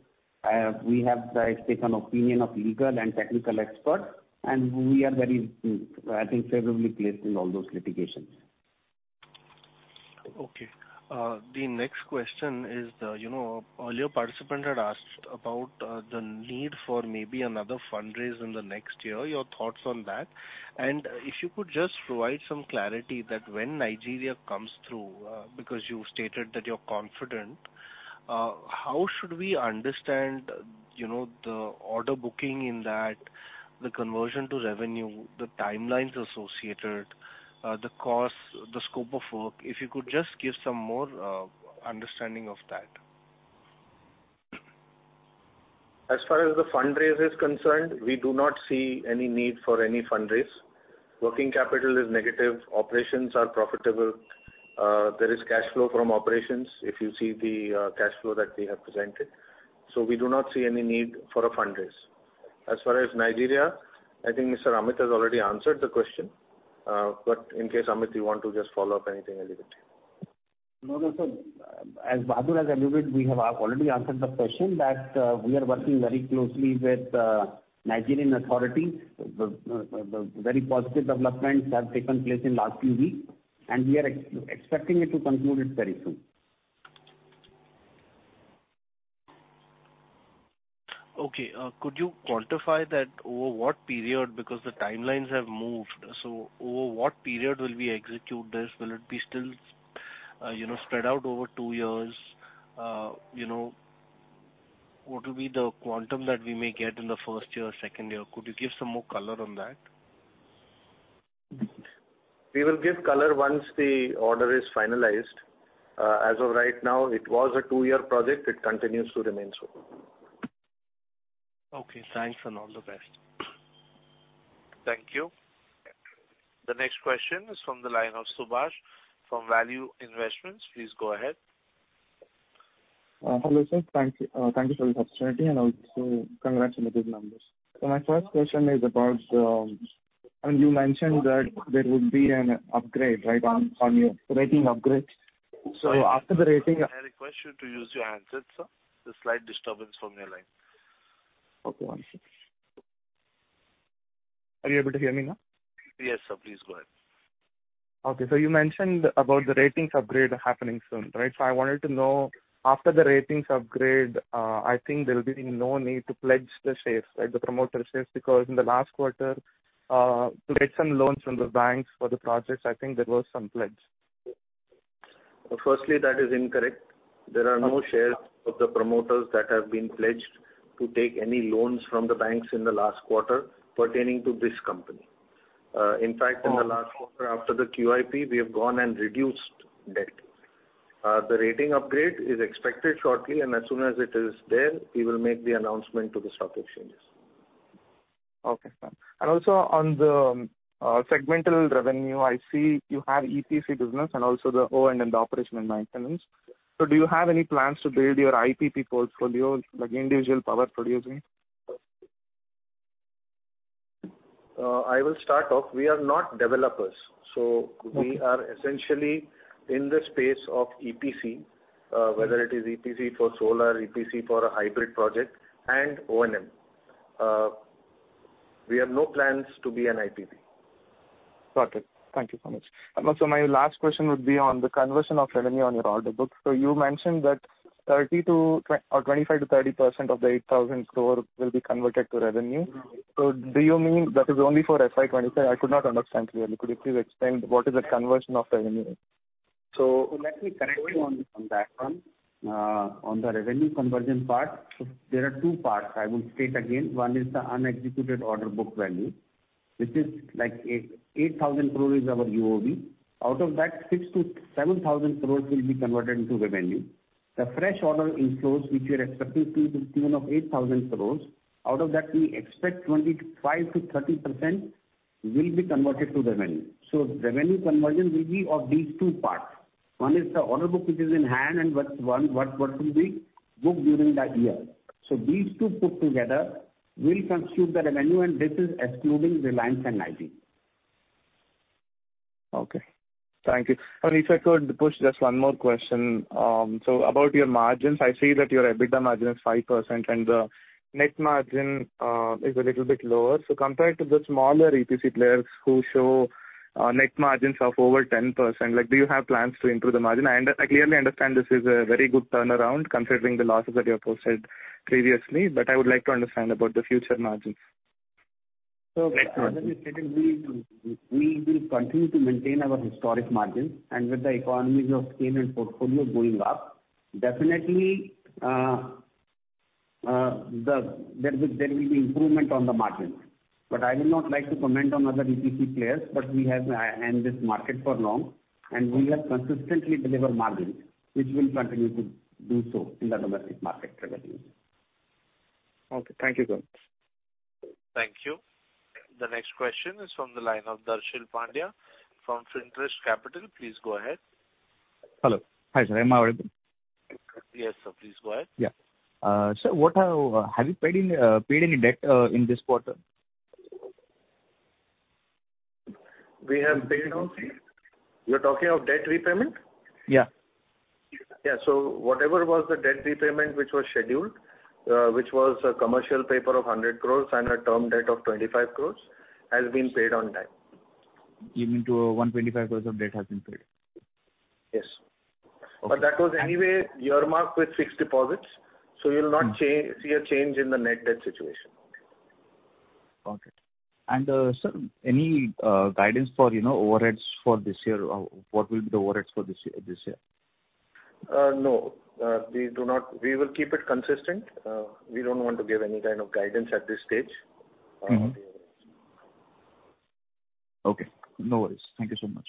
C: We have taken opinion of legal and technical expert, and we are very, I think, favorably placed in all those litigations.
L: Okay. The next question is the, you know, earlier participant had asked about, the need for maybe another fundraise in the next year. Your thoughts on that? And if you could just provide some clarity that when Nigeria comes through, because you stated that you're confident, how should we understand, you know, the order booking in that, the conversion to revenue, the timelines associated, the cost, the scope of work? If you could just give some more, understanding of that.
D: As far as the fundraise is concerned, we do not see any need for any fundraise. Working capital is negative, operations are profitable, there is cash flow from operations, if you see the, cash flow that we have presented. So we do not see any need for a fundraise. As far as Nigeria, I think Mr. Amit has already answered the question. But in case, Amit, you want to just follow up anything relevant.
C: No, no, so as Bahadur has alluded, we have already answered the question, that we are working very closely with Nigerian authorities. The very positive developments have taken place in last few weeks, and we are expecting it to conclude it very soon.
L: Okay, could you quantify that over what period? Because the timelines have moved. So over what period will we execute this? Will it be still, you know, spread out over two years? You know, what will be the quantum that we may get in the first year or second year? Could you give some more color on that?
D: We will give color once the order is finalized. As of right now, it was a two-year project. It continues to remain so.
L: Okay, thanks, and all the best.
A: Thank you. The next question is from the line of Subash from Value Investments. Please go ahead.
M: Hello, sir. Thank you. Thank you for this opportunity, and also congratulations on those numbers. So my first question is about when you mentioned that there would be an upgrade, right, on, on your rating upgrade. So after the rating-
A: May I request you to use your handset, sir? There's slight disturbance from your line.
M: Okay, one second. Are you able to hear me now?
A: Yes, sir. Please go ahead.
M: Okay. So you mentioned about the ratings upgrade happening soon, right? So I wanted to know, after the ratings upgrade, I think there will be no need to pledge the shares, like the promoter shares, because in the last quarter, to get some loans from the banks for the projects, I think there was some pledge.
D: Firstly, that is incorrect. There are no shares of the promoters that have been pledged to take any loans from the banks in the last quarter pertaining to this company. In fact-
M: Oh.
D: In the last quarter, after the QIP, we have gone and reduced debt. The rating upgrade is expected shortly, and as soon as it is there, we will make the announcement to the stock exchanges.
M: Okay, fine. Also, on the segmental revenue, I see you have EPC business and also the O&M, the operation and maintenance. So do you have any plans to build your IPP portfolio, like individual power producer?
D: I will start off. We are not developers.
M: Okay.
D: So we are essentially in the space of EPC, whether it is EPC for solar, EPC for a hybrid project, and O&M. We have no plans to be an IPP.
M: Got it. Thank you so much. And also my last question would be on the conversion of revenue on your order book. So you mentioned that 25%-30% of the 8,000 crore will be converted to revenue.
D: Mm-hmm.
M: So do you mean that is only for FY 25? I could not understand clearly. Could you please explain what is the conversion of revenue?
C: So let me correct you on, on that one. On the revenue conversion part, so there are two parts I will state again. One is the unexecuted order book value, which is, like, 8,000 crore is our UOB. Out of that, 6,000-7,000 crore will be converted into revenue. The fresh order inflows, which we are expecting to the tune of 8,000 crore, out of that, we expect 25%-30% will be converted to revenue. So revenue conversion will be of these two parts. One is the order book, which is in hand, and what will be booked during that year. So these two put together will constitute the revenue, and this is excluding Reliance and IP.
M: Okay. Thank you. And if I could push just one more question. So about your margins, I see that your EBITDA margin is 5%, and the net margin is a little bit lower. So compared to the smaller EPC players who show net margins of over 10%, like, do you have plans to improve the margin? I clearly understand this is a very good turnaround, considering the losses that you have posted previously, but I would like to understand about the future margins.
C: So as I stated, we, we will continue to maintain our historic margins, and with the economies of scale and portfolio going up, definitely...there will be improvement on the margins. But I will not like to comment on other EPC players, but we have in this market for long, and we have consistently delivered margins, which will continue to do so in the domestic market segment.
M: Okay, thank you, sir.
A: Thank you. The next question is from the line of Darshil Pandya from Finterest Capital. Please go ahead.
N: Hello. Hi, sir, am I audible?
A: Yes, sir, please go ahead.
N: Yeah. Sir, what have, have you paid any debt in this quarter?
D: We have paid on it. You're talking of debt repayment?
N: Yeah.
D: Yeah, so whatever was the debt repayment which was scheduled, which was a commercial paper of 100 crores and a term debt of 25 crores, has been paid on time.
N: You mean to 125 crore of debt has been paid?
D: Yes.
N: Okay.
D: But that was anyway earmarked with fixed deposits, so you'll not see a change in the net debt situation.
N: Okay. And, sir, any guidance for, you know, overheads for this year? Or what will be the overheads for this year, this year?
D: No. We do not. We will keep it consistent. We don't want to give any kind of guidance at this stage, on the overheads.
N: Mm-hmm. Okay, no worries. Thank you so much.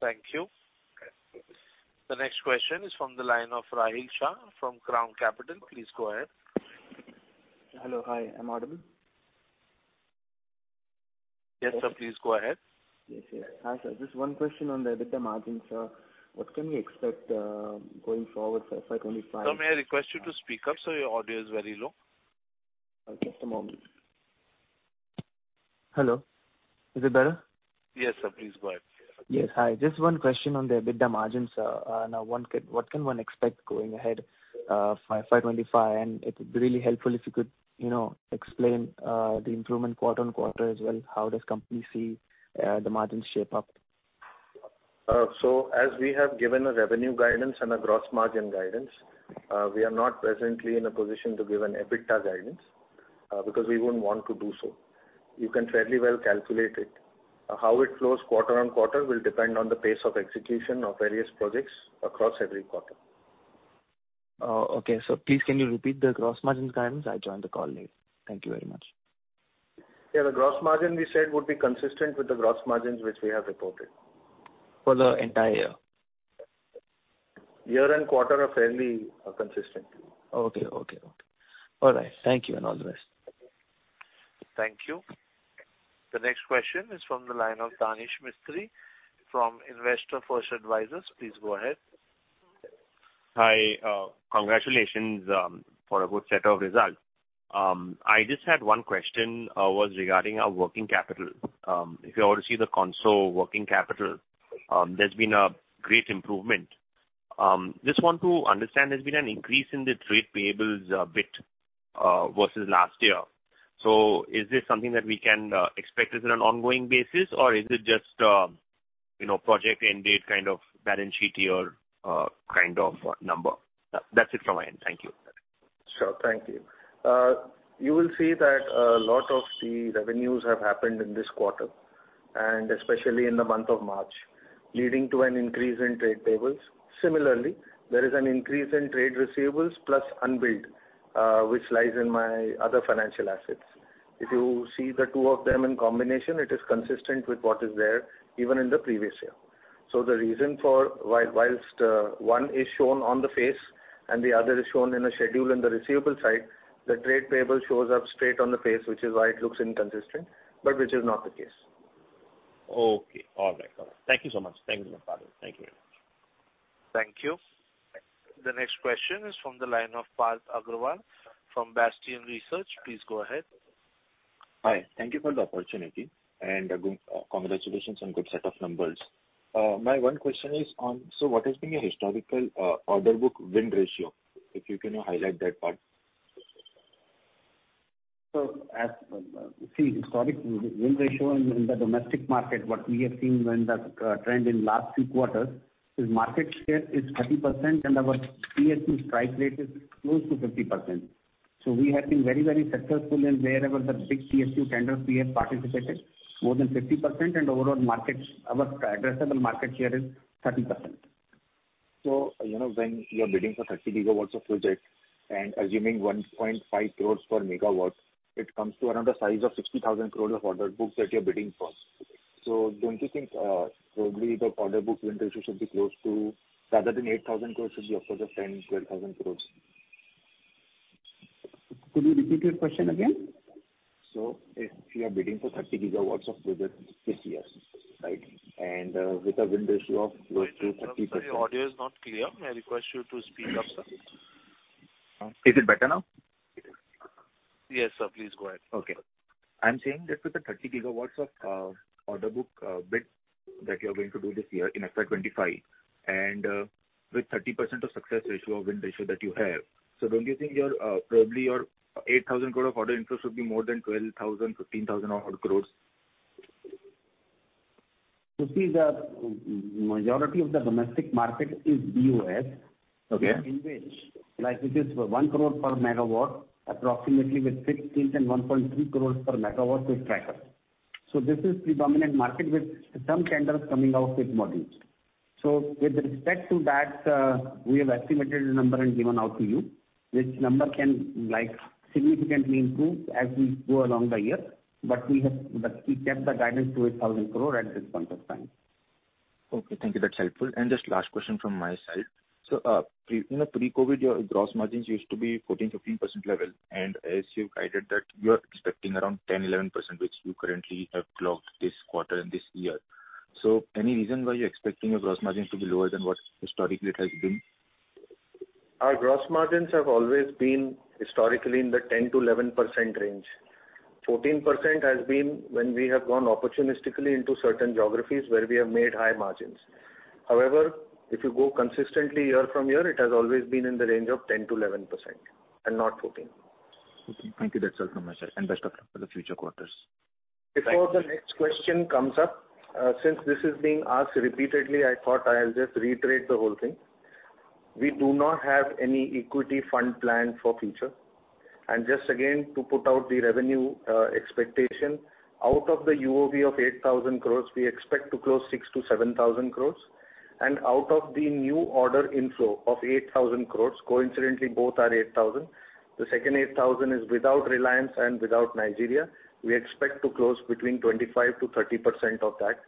A: Thank you. The next question is from the line of Rahil Shah from Crown Capital. Please go ahead.
O: Hello. Hi, I'm audible?
A: Yes, sir, please go ahead.
O: Yes, yes. Hi, sir. Just one question on the EBITDA margins, sir. What can we expect, going forward for FY 2025?
A: Sir, may I request you to speak up, sir? Your audio is very low.
O: Just a moment. Hello, is it better?
A: Yes, sir, please go ahead.
O: Yes. Hi, just one question on the EBITDA margins sir. Now, what can one expect going ahead for FY 2025? And it would be really helpful if you could, you know, explain the improvement quarter-on-quarter as well, how does company see the margins shape up?
D: So as we have given a revenue guidance and a gross margin guidance, we are not presently in a position to give an EBITDA guidance, because we wouldn't want to do so. You can fairly well calculate it. How it flows quarter on quarter will depend on the pace of execution of various projects across every quarter.
O: Okay. Sir, please, can you repeat the gross margin guidance? I joined the call late. Thank you very much.
D: Yeah, the gross margin we said would be consistent with the gross margins which we have reported.
O: For the entire year?
D: Year and quarter are fairly consistent.
O: Okay. Okay, okay. All right, thank you, and all the best.
A: Thank you. The next question is from the line of Danesh Mistry from Investor First Advisors. Please go ahead.
P: Hi, congratulations for a good set of results. I just had one question, was regarding working capital. If you were to see the consolidated working capital, there's been a great improvement. Just want to understand, there's been an increase in the trade payables a bit versus last year. So is this something that we can expect as on an ongoing basis, or is it just, you know, project end date kind of balance sheet year kind of number? That's it from my end. Thank you.
D: Sure. Thank you. You will see that a lot of the revenues have happened in this quarter, and especially in the month of March, leading to an increase in trade payables. Similarly, there is an increase in trade receivables plus unbilled, which lies in my other financial assets. If you see the two of them in combination, it is consistent with what is there even in the previous year. So the reason for whilst one is shown on the face and the other is shown in a schedule in the receivable side, the trade payable shows up straight on the face, which is why it looks inconsistent, but which is not the case.
P: Okay. All right. All right. Thank you so much. Thank you, sir. Thank you very much.
A: Thank you. The next question is from the line of Parth Agarwal from Bastion Research. Please go ahead.
Q: Hi. Thank you for the opportunity, and, congratulations on good set of numbers. My one question is on, so what has been your historical, order book win ratio, if you can highlight that part?
C: So, as you see, historic win ratio in the domestic market, what we have seen in the trend in last few quarters, is market share is 30%, and our PSU strike rate is close to 50%. So we have been very, very successful in wherever the big PSU tenders we have participated, more than 50%, and overall markets, our addressable market share is 30%.
Q: So you know, when you are bidding for 30GW of projects, and assuming 1.5 crores per MW, it comes to around a size of 60,000 crores of order books that you're bidding for. So don't you think, probably the order book win ratio should be close to, rather than 8,000 crores, should be closer to 10,000-12,000 crores?
D: Could you repeat your question again?
Q: So if you are bidding for 30GW of projects this year, right? And, with a win ratio of close to 30%-
A: Sir, your audio is not clear. May I request you to speak up, sir?
Q: Is it better now?
A: Yes, sir, please go ahead.
Q: Okay. I'm saying that with the 30GW of order book bid that you're going to do this year in FY 2025, and with 30% success ratio or win ratio that you have, so don't you think your probably your 8,000 crore of order interest should be more than 12,000-15,000 crore?
C: You see, the majority of the domestic market is BOS-
Q: Okay.
C: in which, like, it is 1 crore per MW, approximately with fixed tilt and 1.3 crores per MW with tracker. So this is the dominant market with some tenders coming out with modules. So with respect to that, we have estimated the number and given out to you, which number can, like, significantly improve as we go along the year. But we kept the guidance to 8,000 crore at this point of time.
Q: Okay, thank you. That's helpful. Just last question from my side. So pre, you know, pre-COVID, your gross margins used to be 14%-15% level, and as you've guided that, you are expecting around 10%-11%, which you currently have clocked this quarter and this year. So any reason why you're expecting your gross margins to be lower than what historically it has been?
D: Our gross margins have always been historically in the 10%-11% range. 14% has been when we have gone opportunistically into certain geographies where we have made high margins. However, if you go consistently year from year, it has always been in the range of 10%-11%, and not 14%.
Q: Okay. Thank you. That's all from my side, and best of luck for the future quarters.
D: Before the next question comes up, since this is being asked repeatedly, I thought I'll just reiterate the whole thing. We do not have any equity fund plan for future. And just again, to put out the revenue expectation, out of the UOB of 8,000 crore, we expect to close 6,000 crore-7,000 crore. And out of the new order inflow of 8,000 crore, coincidentally, both are 8,000, the second 8,000 is without Reliance and without Nigeria. We expect to close between 25%-30% of that.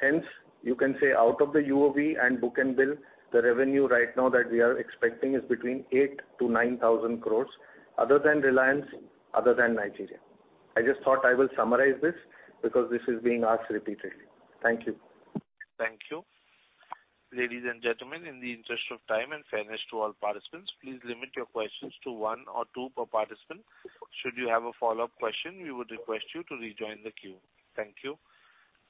D: Hence, you can say out of the UOB and book and bill, the revenue right now that we are expecting is between 8,000-9,000 crore, other than Reliance, other than Nigeria. I just thought I will summarize this, because this is being asked repeatedly. Thank you.
A: Thank you. Ladies and gentlemen, in the interest of time and fairness to all participants, please limit your questions to one or two per participant. Should you have a follow-up question, we would request you to rejoin the queue. Thank you.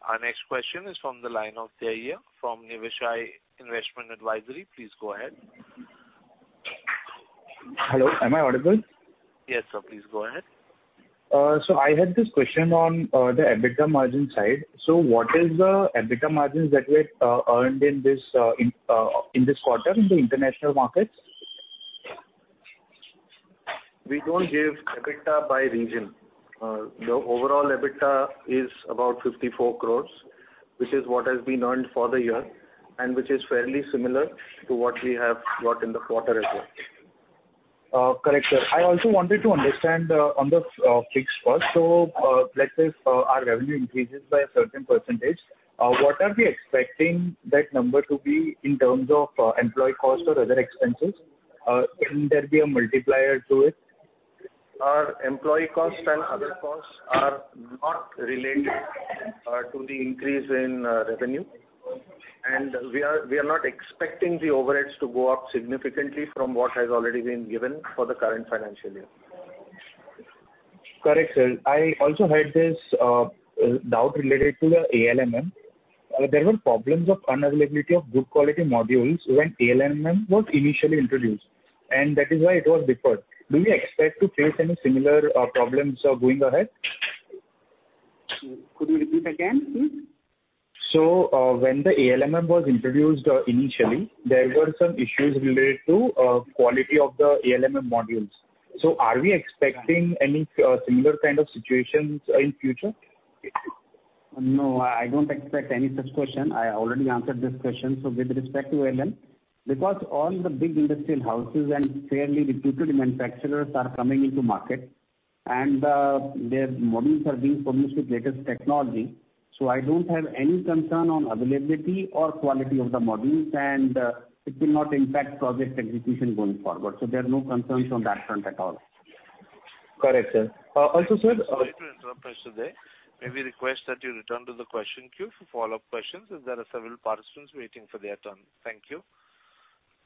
A: Our next question is from the line of [AUDIO DISTORTION] from Niveshaay Investment Advisory. Please go ahead.
R: Hello, am I audible?
A: Yes, sir, please go ahead.
R: So I had this question on the EBITDA margin side. So what is the EBITDA margins that were earned in this quarter in the international markets?
D: We don't give EBITDA by region. The overall EBITDA is about 54 crore, which is what has been earned for the year, and which is fairly similar to what we have got in the quarter as well.
R: Correct, sir. I also wanted to understand on the fixed cost. So, let's say our revenue increases by a certain percentage, what are we expecting that number to be in terms of employee costs or other expenses? Can there be a multiplier to it?
D: Our employee costs and other costs are not related to the increase in revenue. And we are not expecting the overheads to go up significantly from what has already been given for the current financial year.
R: Correct, sir. I also had this doubt related to the ALMM. There were problems of unavailability of good quality modules when ALMM was initially introduced, and that is why it was deferred. Do we expect to face any similar problems going ahead?
C: Could you repeat again, please?
R: When the ALMM was introduced, initially, there were some issues related to quality of the ALMM modules. Are we expecting any similar kind of situations in future?
C: No, I don't expect any such question. I already answered this question. So with respect to ALMM, because all the big industrial houses and fairly reputed manufacturers are coming into market, and their modules are being produced with latest technology, so I don't have any concern on availability or quality of the modules, and it will not impact project execution going forward. So there are no concerns on that front at all.
R: Correct, sir. Also, sir-
A: Sorry to interrupt. [AUDIO DISTORTION] May we request that you return to the question queue for follow-up questions, as there are several participants waiting for their turn. Thank you.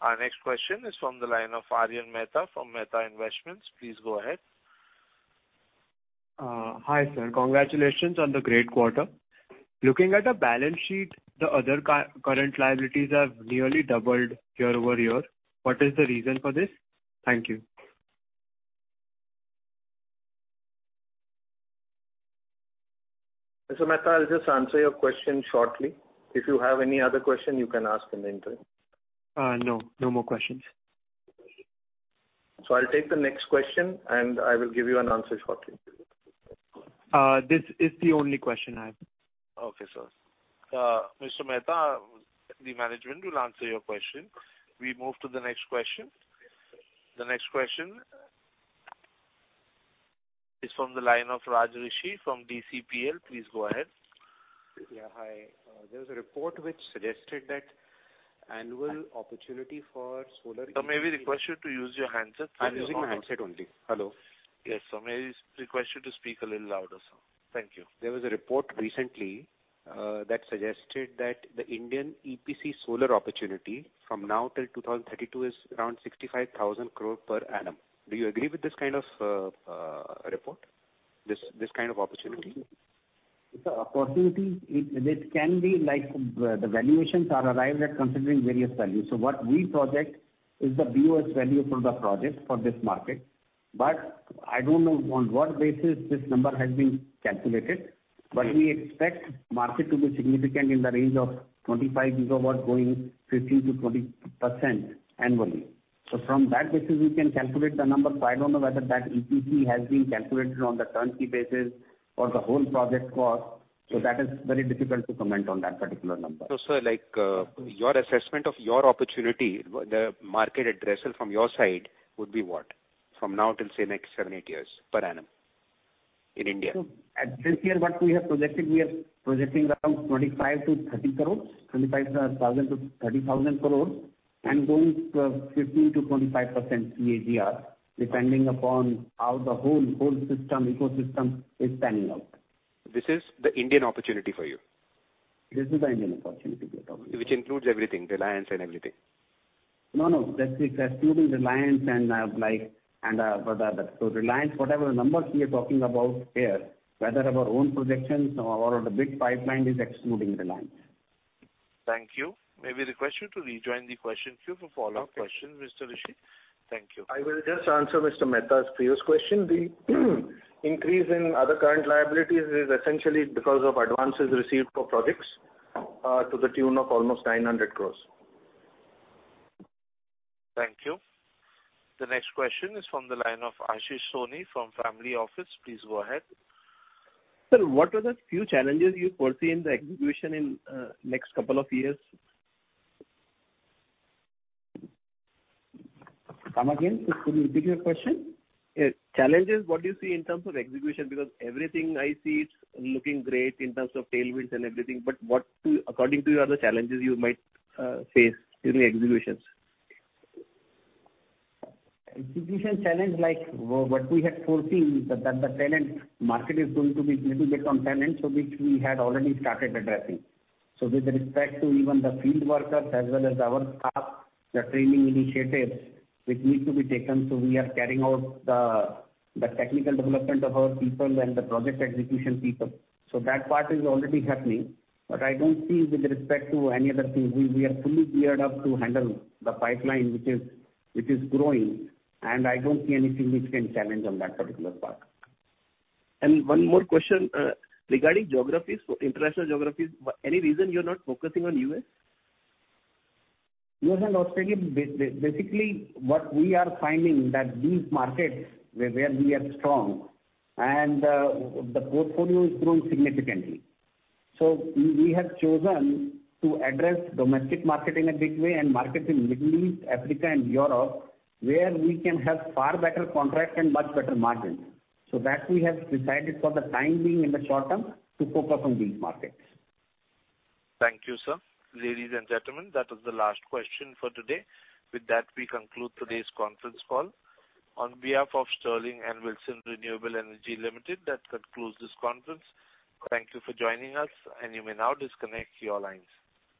A: Our next question is from the line of Aryan Mehta from Mehta Investments. Please go ahead.
S: Hi, sir. Congratulations on the great quarter. Looking at the balance sheet, the other current liabilities have nearly doubled year-over-year. What is the reason for this? Thank you.
D: Mr. Mehta, I'll just answer your question shortly. If you have any other question, you can ask in the interim.
S: No, no more questions.
D: So I'll take the next question, and I will give you an answer shortly.
S: This is the only question I have.
A: Okay, sir. Mr. Mehta, the management will answer your question. We move to the next question. The next question is from the line of Raj Rishi from DCPL. Please go ahead.
T: Yeah, hi. There was a report which suggested that annual opportunity for solar-
A: May we request you to use your handset?
T: I'm using handset only. Hello?
A: Yes, so may we request you to speak a little louder, sir? Thank you.
T: There was a report recently that suggested that the Indian EPC solar opportunity from now till 2032 is around 65,000 crore per annum. Do you agree with this kind of report, this kind of opportunity?
C: The opportunity, it can be like, the valuations are arrived at considering various values. So what we project is the view as value for the project for this market. But I don't know on what basis this number has been calculated, but we expect market to be significant in the range of 25GW, growing 15%-20% annually. So from that basis, we can calculate the number. So I don't know whether that EPC has been calculated on the turnkey basis or the whole project cost, so that is very difficult to comment on that particular number.
T: Sir, like, your assessment of your opportunity, the market addressable from your side would be what? From now till, say, next seven, eight years per annum in India.
C: So for this year, what we have projected, we are projecting around 25 crore-30 crore, 25,000 crore-30,000 crore, and going to 15%-25% CAGR, depending upon how the whole, whole system, ecosystem is panning out.
T: This is the Indian opportunity for you?
C: This is the Indian opportunity we are talking.
T: Which includes everything, Reliance and everything.
C: No, no, that's excluding Reliance and, like, and, but the—so Reliance, whatever numbers we are talking about here, whether our own projections or the big pipeline, is excluding Reliance.
A: Thank you. May we request you to rejoin the question queue for follow-up questions, Mr. Rishi? Thank you.
D: I will just answer Mr. Mehta's previous question. The increase in other current liabilities is essentially because of advances received for projects, to the tune of almost 900 crore.
A: Thank you. The next question is from the line of Ashish Soni from Family Office. Please go ahead.
U: Sir, what are the few challenges you foresee in the execution in next couple of years?
C: Come again, could you repeat your question?
U: Challenges, what do you see in terms of execution? Because everything I see is looking great in terms of tailwinds and everything, but what, according to you, are the challenges you might face during executions?
C: Execution challenge, like what we had foreseen is that the talent market is going to be little bit on talent, so which we had already started addressing. So with respect to even the field workers as well as our staff, the training initiatives which need to be taken, so we are carrying out the technical development of our people and the project execution people. So that part is already happening, but I don't see with respect to any other thing. We are fully geared up to handle the pipeline, which is growing, and I don't see any significant challenge on that particular part.
U: And one more question, regarding geographies, so international geographies. Any reason you're not focusing on U.S.?
C: U.S. and Australia, basically, what we are finding that these markets where we are strong and the portfolio has grown significantly. So we have chosen to address domestic market in a big way and markets in Middle East, Africa and Europe, where we can have far better contract and much better margins. So that we have decided for the time being in the short term to focus on these markets.
A: Thank you, sir. Ladies and gentlemen, that was the last question for today. With that, we conclude today's conference call. On behalf of Sterling and Wilson Renewable Energy Limited, that concludes this conference. Thank you for joining us, and you may now disconnect your lines.